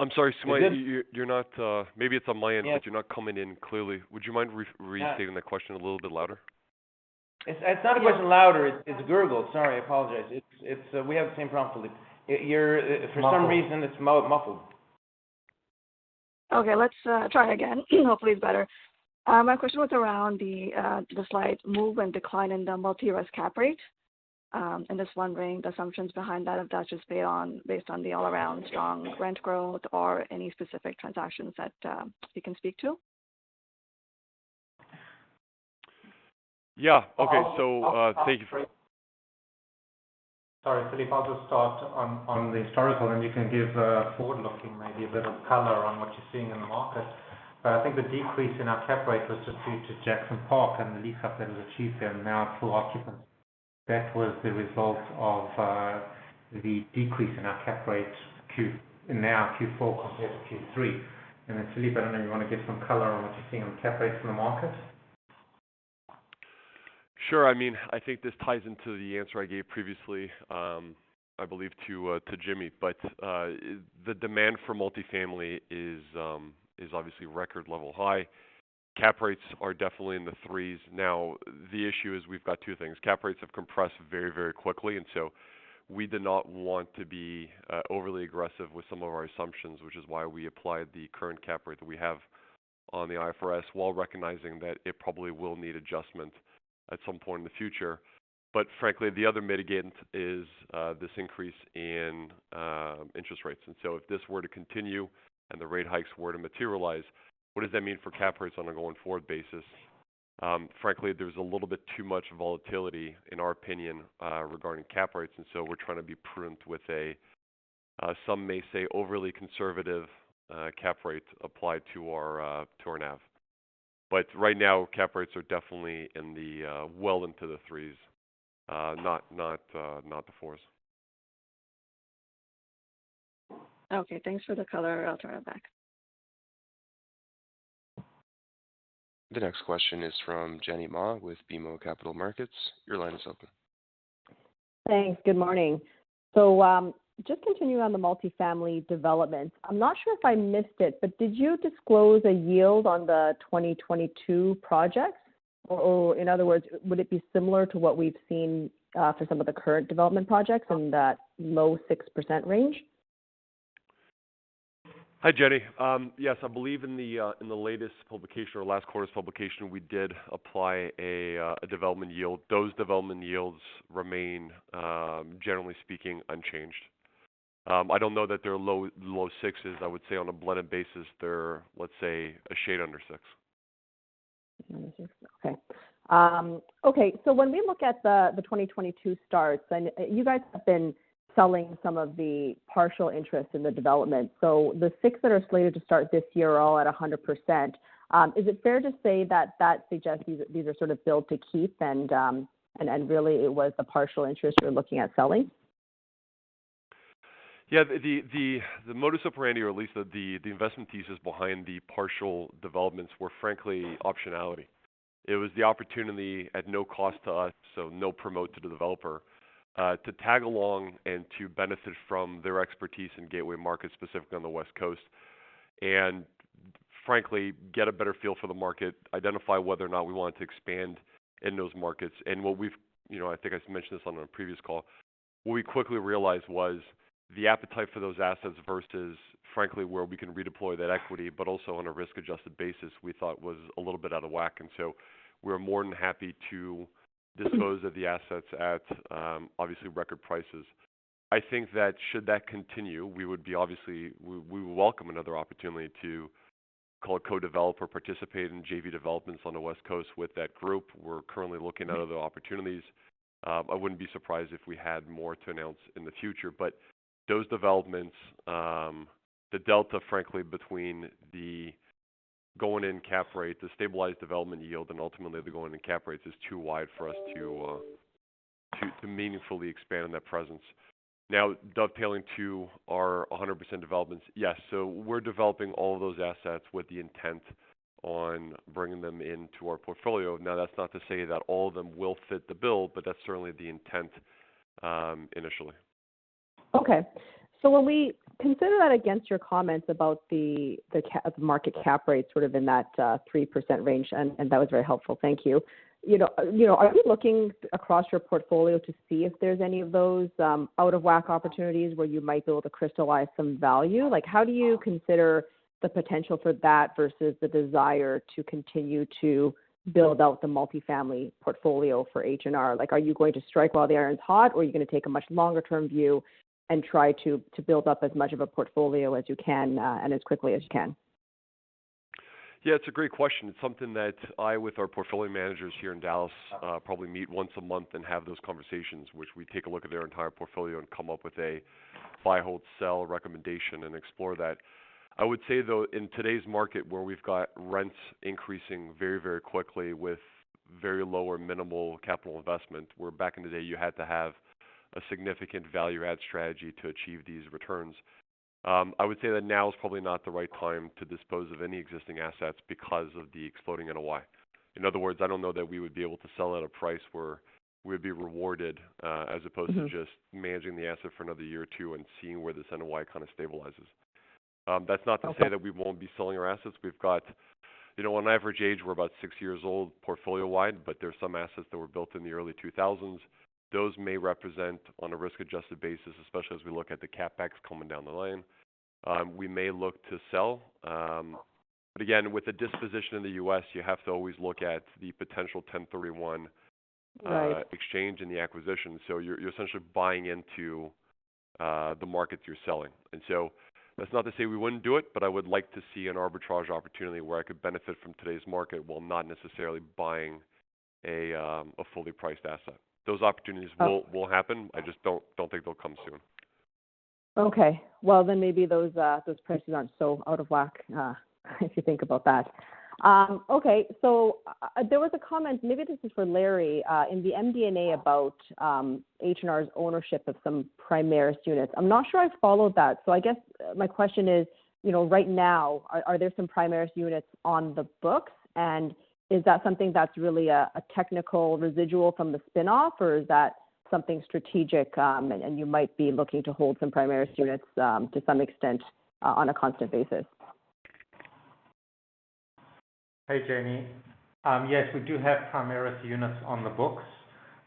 I'm sorry, Sumayya. You good? You're not. Maybe it's on my end. Yes. You're not coming in clearly. Would you mind re-restating the question a little bit louder? It's not a question of louder. We have the same problem, Philippe. You're- Muffled. For some reason, it's muffled. Okay, let's try again. Hopefully, it's better. My question was around the slight move and decline in the multi res cap rate. Just wondering the assumptions behind that, if that's just based on the all around strong rent growth or any specific transactions that you can speak to. Yeah. Okay. Thank you for- Sorry, Philippe. I'll just start on the historical, and you can give forward-looking maybe a bit of color on what you're seeing in the market. But I think the decrease in our cap rate was just due to Jackson Park and the lease up that was achieved there, and now it's fully occupied. That was the result of the decrease in our cap rate in our Q4 compared to Q3. Then, Philippe, I don't know if you want to give some color on what you're seeing on cap rates in the market. Sure. I mean, I think this ties into the answer I gave previously, I believe to Jimmy. The demand for multifamily is obviously record level high. Cap rates are definitely in the threes. Now, the issue is we've got two things. Cap rates have compressed very, very quickly, and so we did not want to be overly aggressive with some of our assumptions, which is why we applied the current cap rate that we have on the IFRS, while recognizing that it probably will need adjustment at some point in the future. Frankly, the other mitigant is this increase in interest rates. If this were to continue and the rate hikes were to materialize, what does that mean for cap rates on a going-forward basis? Frankly, there's a little bit too much volatility, in our opinion, regarding cap rates, and so we're trying to be prudent with a, some may say, overly conservative, cap rate applied to our NAV. Right now, cap rates are definitely in the, well into the threes, not the fours. Okay, thanks for the color. I'll turn it back. The next question is from Jenny Ma with BMO Capital Markets. Your line is open. Thanks. Good morning. Just continuing on the multifamily development. I'm not sure if I missed it, but did you disclose a yield on the 2022 projects? Or, in other words, would it be similar to what we've seen for some of the current development projects on that low 6% range? Hi, Jenny. Yes, I believe in the latest publication or last quarter's publication, we did apply a development yield. Those development yields remain, generally speaking, unchanged. I don't know that they're low sixes. I would say on a blended basis, they're, let's say, a shade under six. When we look at the 2022 starts, and you guys have been selling some of the partial interest in the development. The six that are slated to start this year are all at 100%. Is it fair to say that that suggests these are sort of build to keep and really it was the partial interest you're looking at selling? Yeah. The modus operandi, or at least the investment thesis behind the partial developments were frankly optionality. It was the opportunity at no cost to us, so no promote to the developer, to tag along and to benefit from their expertise in gateway markets, specifically on the West Coast, and frankly, get a better feel for the market, identify whether or not we wanted to expand in those markets. You know, I think I mentioned this on our previous call. What we quickly realized was the appetite for those assets versus frankly, where we can redeploy that equity, but also on a risk-adjusted basis, we thought was a little bit out of whack. We're more than happy to dispose of the assets at, obviously, record prices. I think that, should that continue, we would be obviously... We would welcome another opportunity to call a co-developer, participate in JV developments on the West Coast with that group. We're currently looking at other opportunities. I wouldn't be surprised if we had more to announce in the future. Those developments, the delta, frankly, between the go-in cap rate, the stabilized development yield, and ultimately the go-in cap rates is too wide for us to meaningfully expand that presence. Now, dovetailing to our 100% developments. Yes. We're developing all of those assets with the intent on bringing them into our portfolio. Now, that's not to say that all of them will fit the bill, but that's certainly the intent, initially. Okay. When we consider that against your comments about the market cap rate sort of in that 3% range, and that was very helpful. Thank you. You know, are you looking across your portfolio to see if there's any of those out of whack opportunities where you might be able to crystallize some value? Like, how do you consider the potential for that versus the desire to continue to build out the multifamily portfolio for H&R? Like, are you going to strike while the iron's hot, or are you gonna take a much longer-term view and try to build up as much of a portfolio as you can, and as quickly as you can? Yeah, it's a great question. It's something that I, with our portfolio managers here in Dallas, probably meet once a month and have those conversations, which we take a look at their entire portfolio and come up with a buy, hold, sell recommendation and explore that. I would say, though, in today's market, where we've got rents increasing very, very quickly with very low or minimal capital investment, where back in the day you had to have a significant value add strategy to achieve these returns. I would say that now is probably not the right time to dispose of any existing assets because of the exploding NOI. In other words, I don't know that we would be able to sell at a price where we'd be rewarded, as opposed- To just managing the asset for another year or two and seeing where this NOI kind of stabilizes. That's not to say- Okay. That we won't be selling our assets. We've got, you know, on average age, we're about six years old, portfolio-wide, but there's some assets that were built in the early 2000s. Those may represent on a risk-adjusted basis, especially as we look at the CapEx coming down the line, we may look to sell. But again, with the disposition in the U.S., you have to always look at the potential 1031 exchange. Right. 1031 exchange in the acquisition. You're essentially buying into the markets you're selling. That's not to say we wouldn't do it, but I would like to see an arbitrage opportunity where I could benefit from today's market while not necessarily buying a fully priced asset. Those opportunities will Okay. Will happen. I just don't think they'll come soon. Okay. Well, maybe those prices aren't so out of whack if you think about that. There was a comment, maybe this is for Larry, in the MD&A about H&R's ownership of some Primaris units. I'm not sure I followed that. I guess my question is, you know, right now, are there some Primaris units on the books? And is that something that's really a technical residual from the spin-off, or is that something strategic, and you might be looking to hold some Primaris units to some extent on a constant basis? Hey, Jenny. Yes, we do have Primaris units on the books.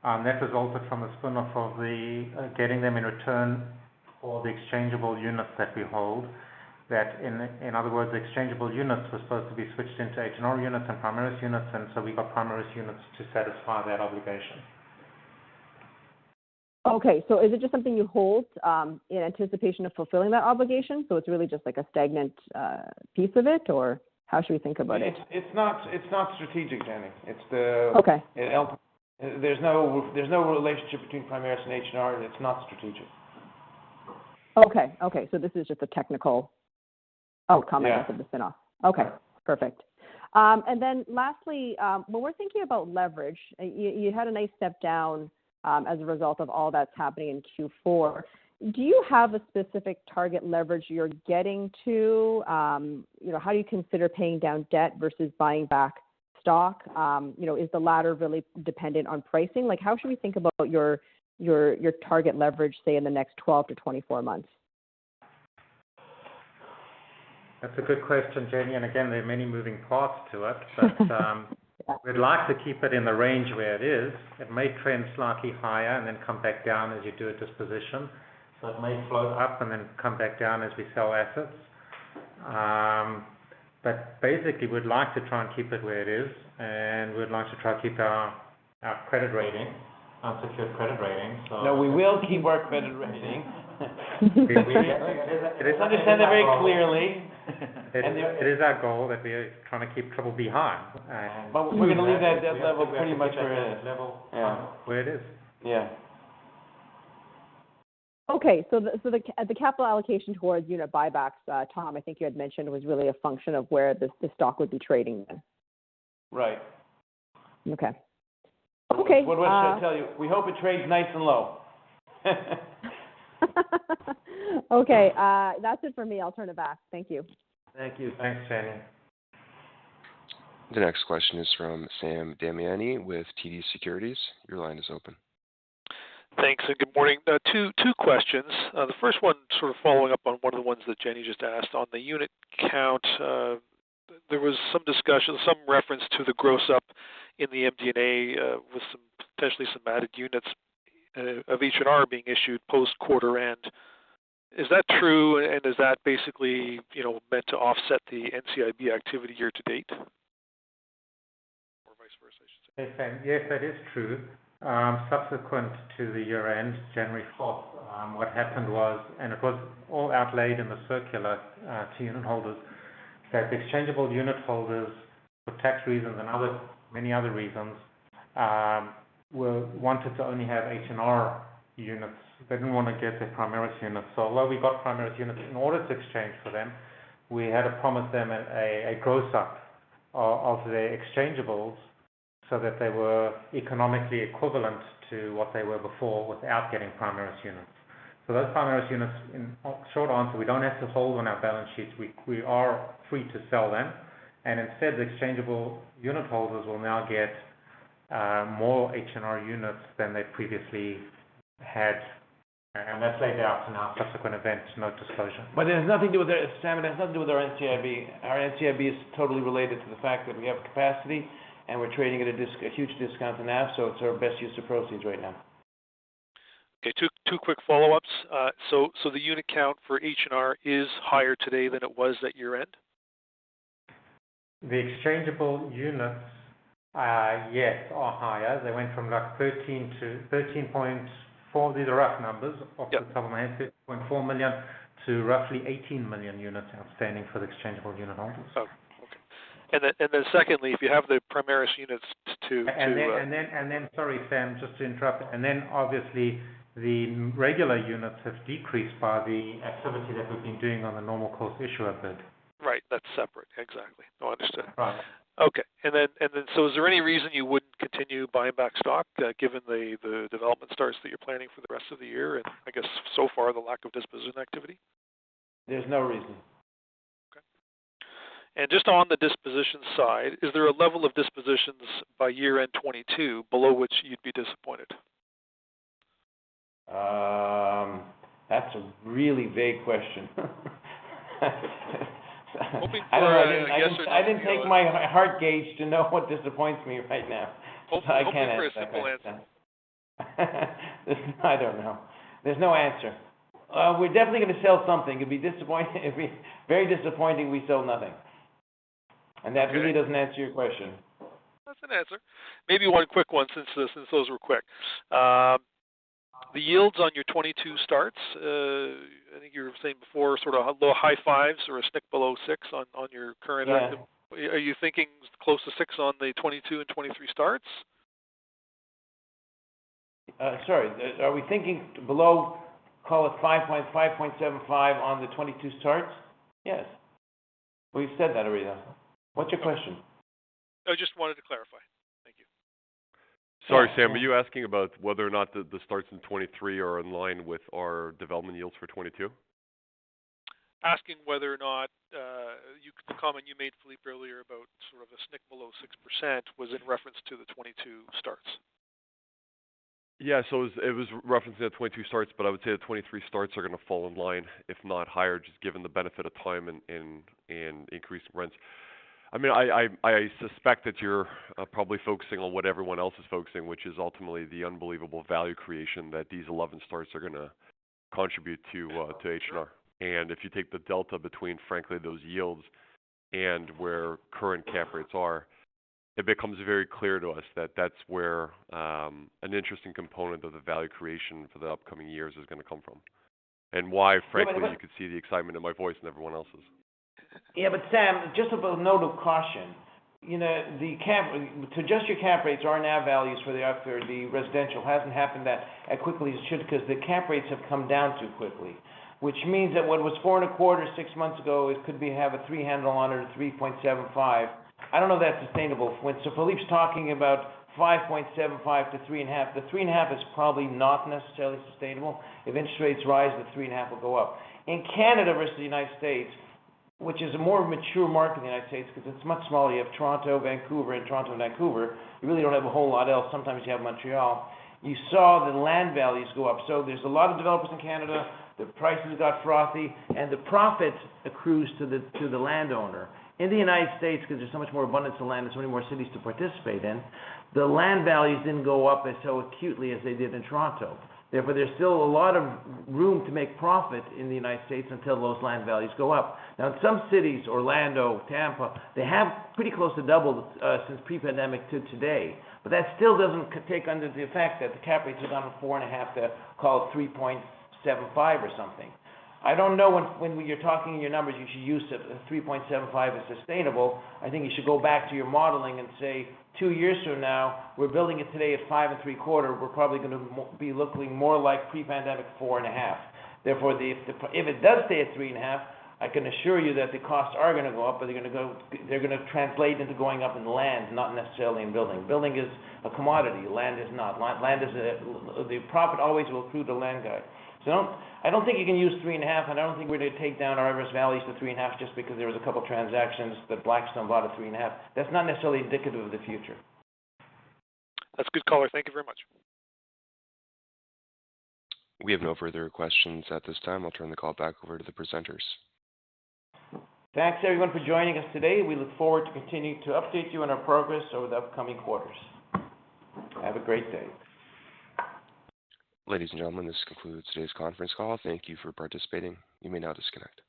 That resulted from the spin-off, getting them in return for the exchangeable units that we hold. That in other words, the exchangeable units were supposed to be switched into H&R units and Primaris units, and so we got Primaris units to satisfy that obligation. Okay. Is it just something you hold in anticipation of fulfilling that obligation? It's really just like a stagnant piece of it, or how should we think about it? It's not strategic, Jenny. Okay. There's no relationship between Primaris and H&R, and it's not strategic. Okay. This is just a technical outcome. Yeah. Of the spin-off. Okay. Perfect. Lastly, when we're thinking about leverage, you had a nice step down, as a result of all that's happening in Q4. Do you have a specific target leverage you're getting to? You know, how do you consider paying down debt versus buying back stock? You know, is the latter really dependent on pricing? Like, how should we think about your target leverage, say, in the next 12 to 24 months? That's a good question, Jenny. Again, there are many moving parts to it. Yeah. We'd like to keep it in the range where it is. It may trend slightly higher and then come back down as you do a disposition. It may float up and then come back down as we sell assets. Basically, we'd like to try and keep it where it is, and we'd like to try to keep our credit rating, our secured credit rating. No, we will keep our credit rating. We, we- Understand that very clearly. It is our goal that we're trying to keep BBB (high). We're gonna leave that debt level pretty much where it is. Level where it is. Yeah. The capital allocation towards unit buybacks, Tom, I think you had mentioned was really a function of where the stock would be trading then. Right. Okay. What else should I tell you? We hope it trades nice and low. Okay, that's it for me. I'll turn it back. Thank you. Thank you. Thanks, Jenny. The next question is from Sam Damiani with TD Securities. Your line is open. Thanks, and good morning. Two questions. The first one sort of following up on one of the ones that Jenny just asked. On the unit count, there was some discussion, some reference to the gross up in the MD&A, with some potentially added units of H&R being issued post-quarter. Is that true? Is that basically, you know, meant to offset the NCIB activity year to date? Or vice versa, I should say. Hey, Sam. Yes, that is true. Subsequent to the year-end, January 4th, what happened was it was all outlaid in the circular to unit holders, that the exchangeable unit holders for tax reasons and other, many other reasons, wanted to only have H&R units. They didn't wanna get the Primaris units. Although we got Primaris units in order to exchange for them, we had to promise them a gross up of the exchangeables so that they were economically equivalent to what they were before without getting Primaris units. Those Primaris units, in short answer, we don't have to hold on our balance sheets. We are free to sell them, and instead, the exchangeable unit holders will now get more H&R units than they previously had. That's laid out in our subsequent events note disclosure. It has nothing to do with Sam, it has nothing to do with our NCIB. Our NCIB is totally related to the fact that we have capacity, and we're trading at a huge discount to NAV, so it's our best use of proceeds right now. Okay. Two quick follow-ups. The unit count for H&R is higher today than it was at year-end? The exchangeable units, yes, are higher. They went from 13 to 13.4. These are rough numbers. Yep. Off the top of my head, 13.4 million to roughly 18 million units outstanding for the exchangeable unit holders. Oh, okay. Secondly, if you have the Primaris units to Sorry, Sam, just to interrupt. Obviously, the regular units have decreased by the activity that we've been doing on the normal course issuer bid. Right. That's separate. Exactly. No, I understand. Right. Okay. Is there any reason you wouldn't continue buying back stock, given the development starts that you're planning for the rest of the year, and I guess so far the lack of disposition activity? There's no reason. Okay. Just on the disposition side, is there a level of dispositions by year-end 2022 below which you'd be disappointed? That's a really vague question. Hoping for a yes or no. I didn't take my heart gauge to know what disappoints me right now. Hoping for a simple answer. I don't know. There's no answer. We're definitely gonna sell something. It'd be disappointing. It'd be very disappointing we sell nothing. That really doesn't answer your question. That's an answer. Maybe one quick one since those were quick. The yields on your 2022 starts, I think you were saying before sort of low high fives or a nick below six on your current pipeline. Yeah. Are you thinking close to six on the 2022 and 2023 starts? Sorry. Are we thinking below, call it 5.75 on the 2022 starts? Yes. We've said that already. What's your question? I just wanted to clarify. Thank you. Sorry, Sam. Are you asking about whether or not the starts in 2023 are in line with our development yields for 2022? Asking whether or not the comment you made, Philippe, earlier about sort of a nick below 6% was in reference to the 2022 starts. Yeah. It was referencing the 2022 starts, but I would say the 2023 starts are gonna fall in line, if not higher, just given the benefit of time and increased rents. I mean, I suspect that you're probably focusing on what everyone else is focusing, which is ultimately the unbelievable value creation that these 11 starts are gonna contribute to H&R. If you take the delta between, frankly, those yields and where current cap rates are, it becomes very clear to us that that's where an interesting component of the value creation for the upcoming years is gonna come from, and why, frankly, you can see the excitement in my voice and everyone else's. Yeah, Sam, just a little note of caution. You know, to adjust your cap rates [and] now values for the residential. Hasn't happened that quickly. It should, 'cause the cap rates have come down too quickly. Which means that what was 4.25% six months ago, it could have a three-handle on it or 3.75%. I don't know if that's sustainable. Philippe's talking about 5.75% to 3.5%. The 3.5% is probably not necessarily sustainable. If interest rates rise, the 3.5% will go up. In Canada versus the United States, which is a more mature market than the United States 'cause it's much smaller. You have Toronto, Vancouver. You really don't have a whole lot else. Sometimes you have Montreal. You saw the land values go up. There's a lot of developers in Canada. The prices got frothy, and the profit accrues to the landowner. In the United States, because there's so much more abundance of land, there's so many more cities to participate in, the land values didn't go up as so acutely as they did in Toronto. Therefore, there's still a lot of room to make profit in the United States until those land values go up. Now, in some cities, Orlando, Tampa, they have pretty close to doubled since pre-pandemic to today. That still doesn't take under the effect that the cap rates have gone from 4.5 to call it 3.75 or something. I don't know when you're talking in your numbers, you should use if 3.75 is sustainable. I think you should go back to your modeling and say, "Two years from now, we're building it today at 5.75. We're probably gonna be looking more like pre-pandemic 4.5." Therefore, if it does stay at 3.5, I can assure you that the costs are gonna go up, but they're gonna translate into going up in land, not necessarily in building. Building is a commodity. Land is not. The profit always will accrue to the land guy. I don't think you can use 3.5, and I don't think we're gonna take down our risk values to 3.5 just because there was a couple transactions that Blackstone bought at 3.5. That's not necessarily indicative of the future. That's a good color. Thank you very much. We have no further questions at this time. I'll turn the call back over to the presenters. Thanks, everyone, for joining us today. We look forward to continuing to update you on our progress over the upcoming quarters. Have a great day. Ladies and gentlemen, this concludes today's conference call. Thank you for participating. You may now disconnect.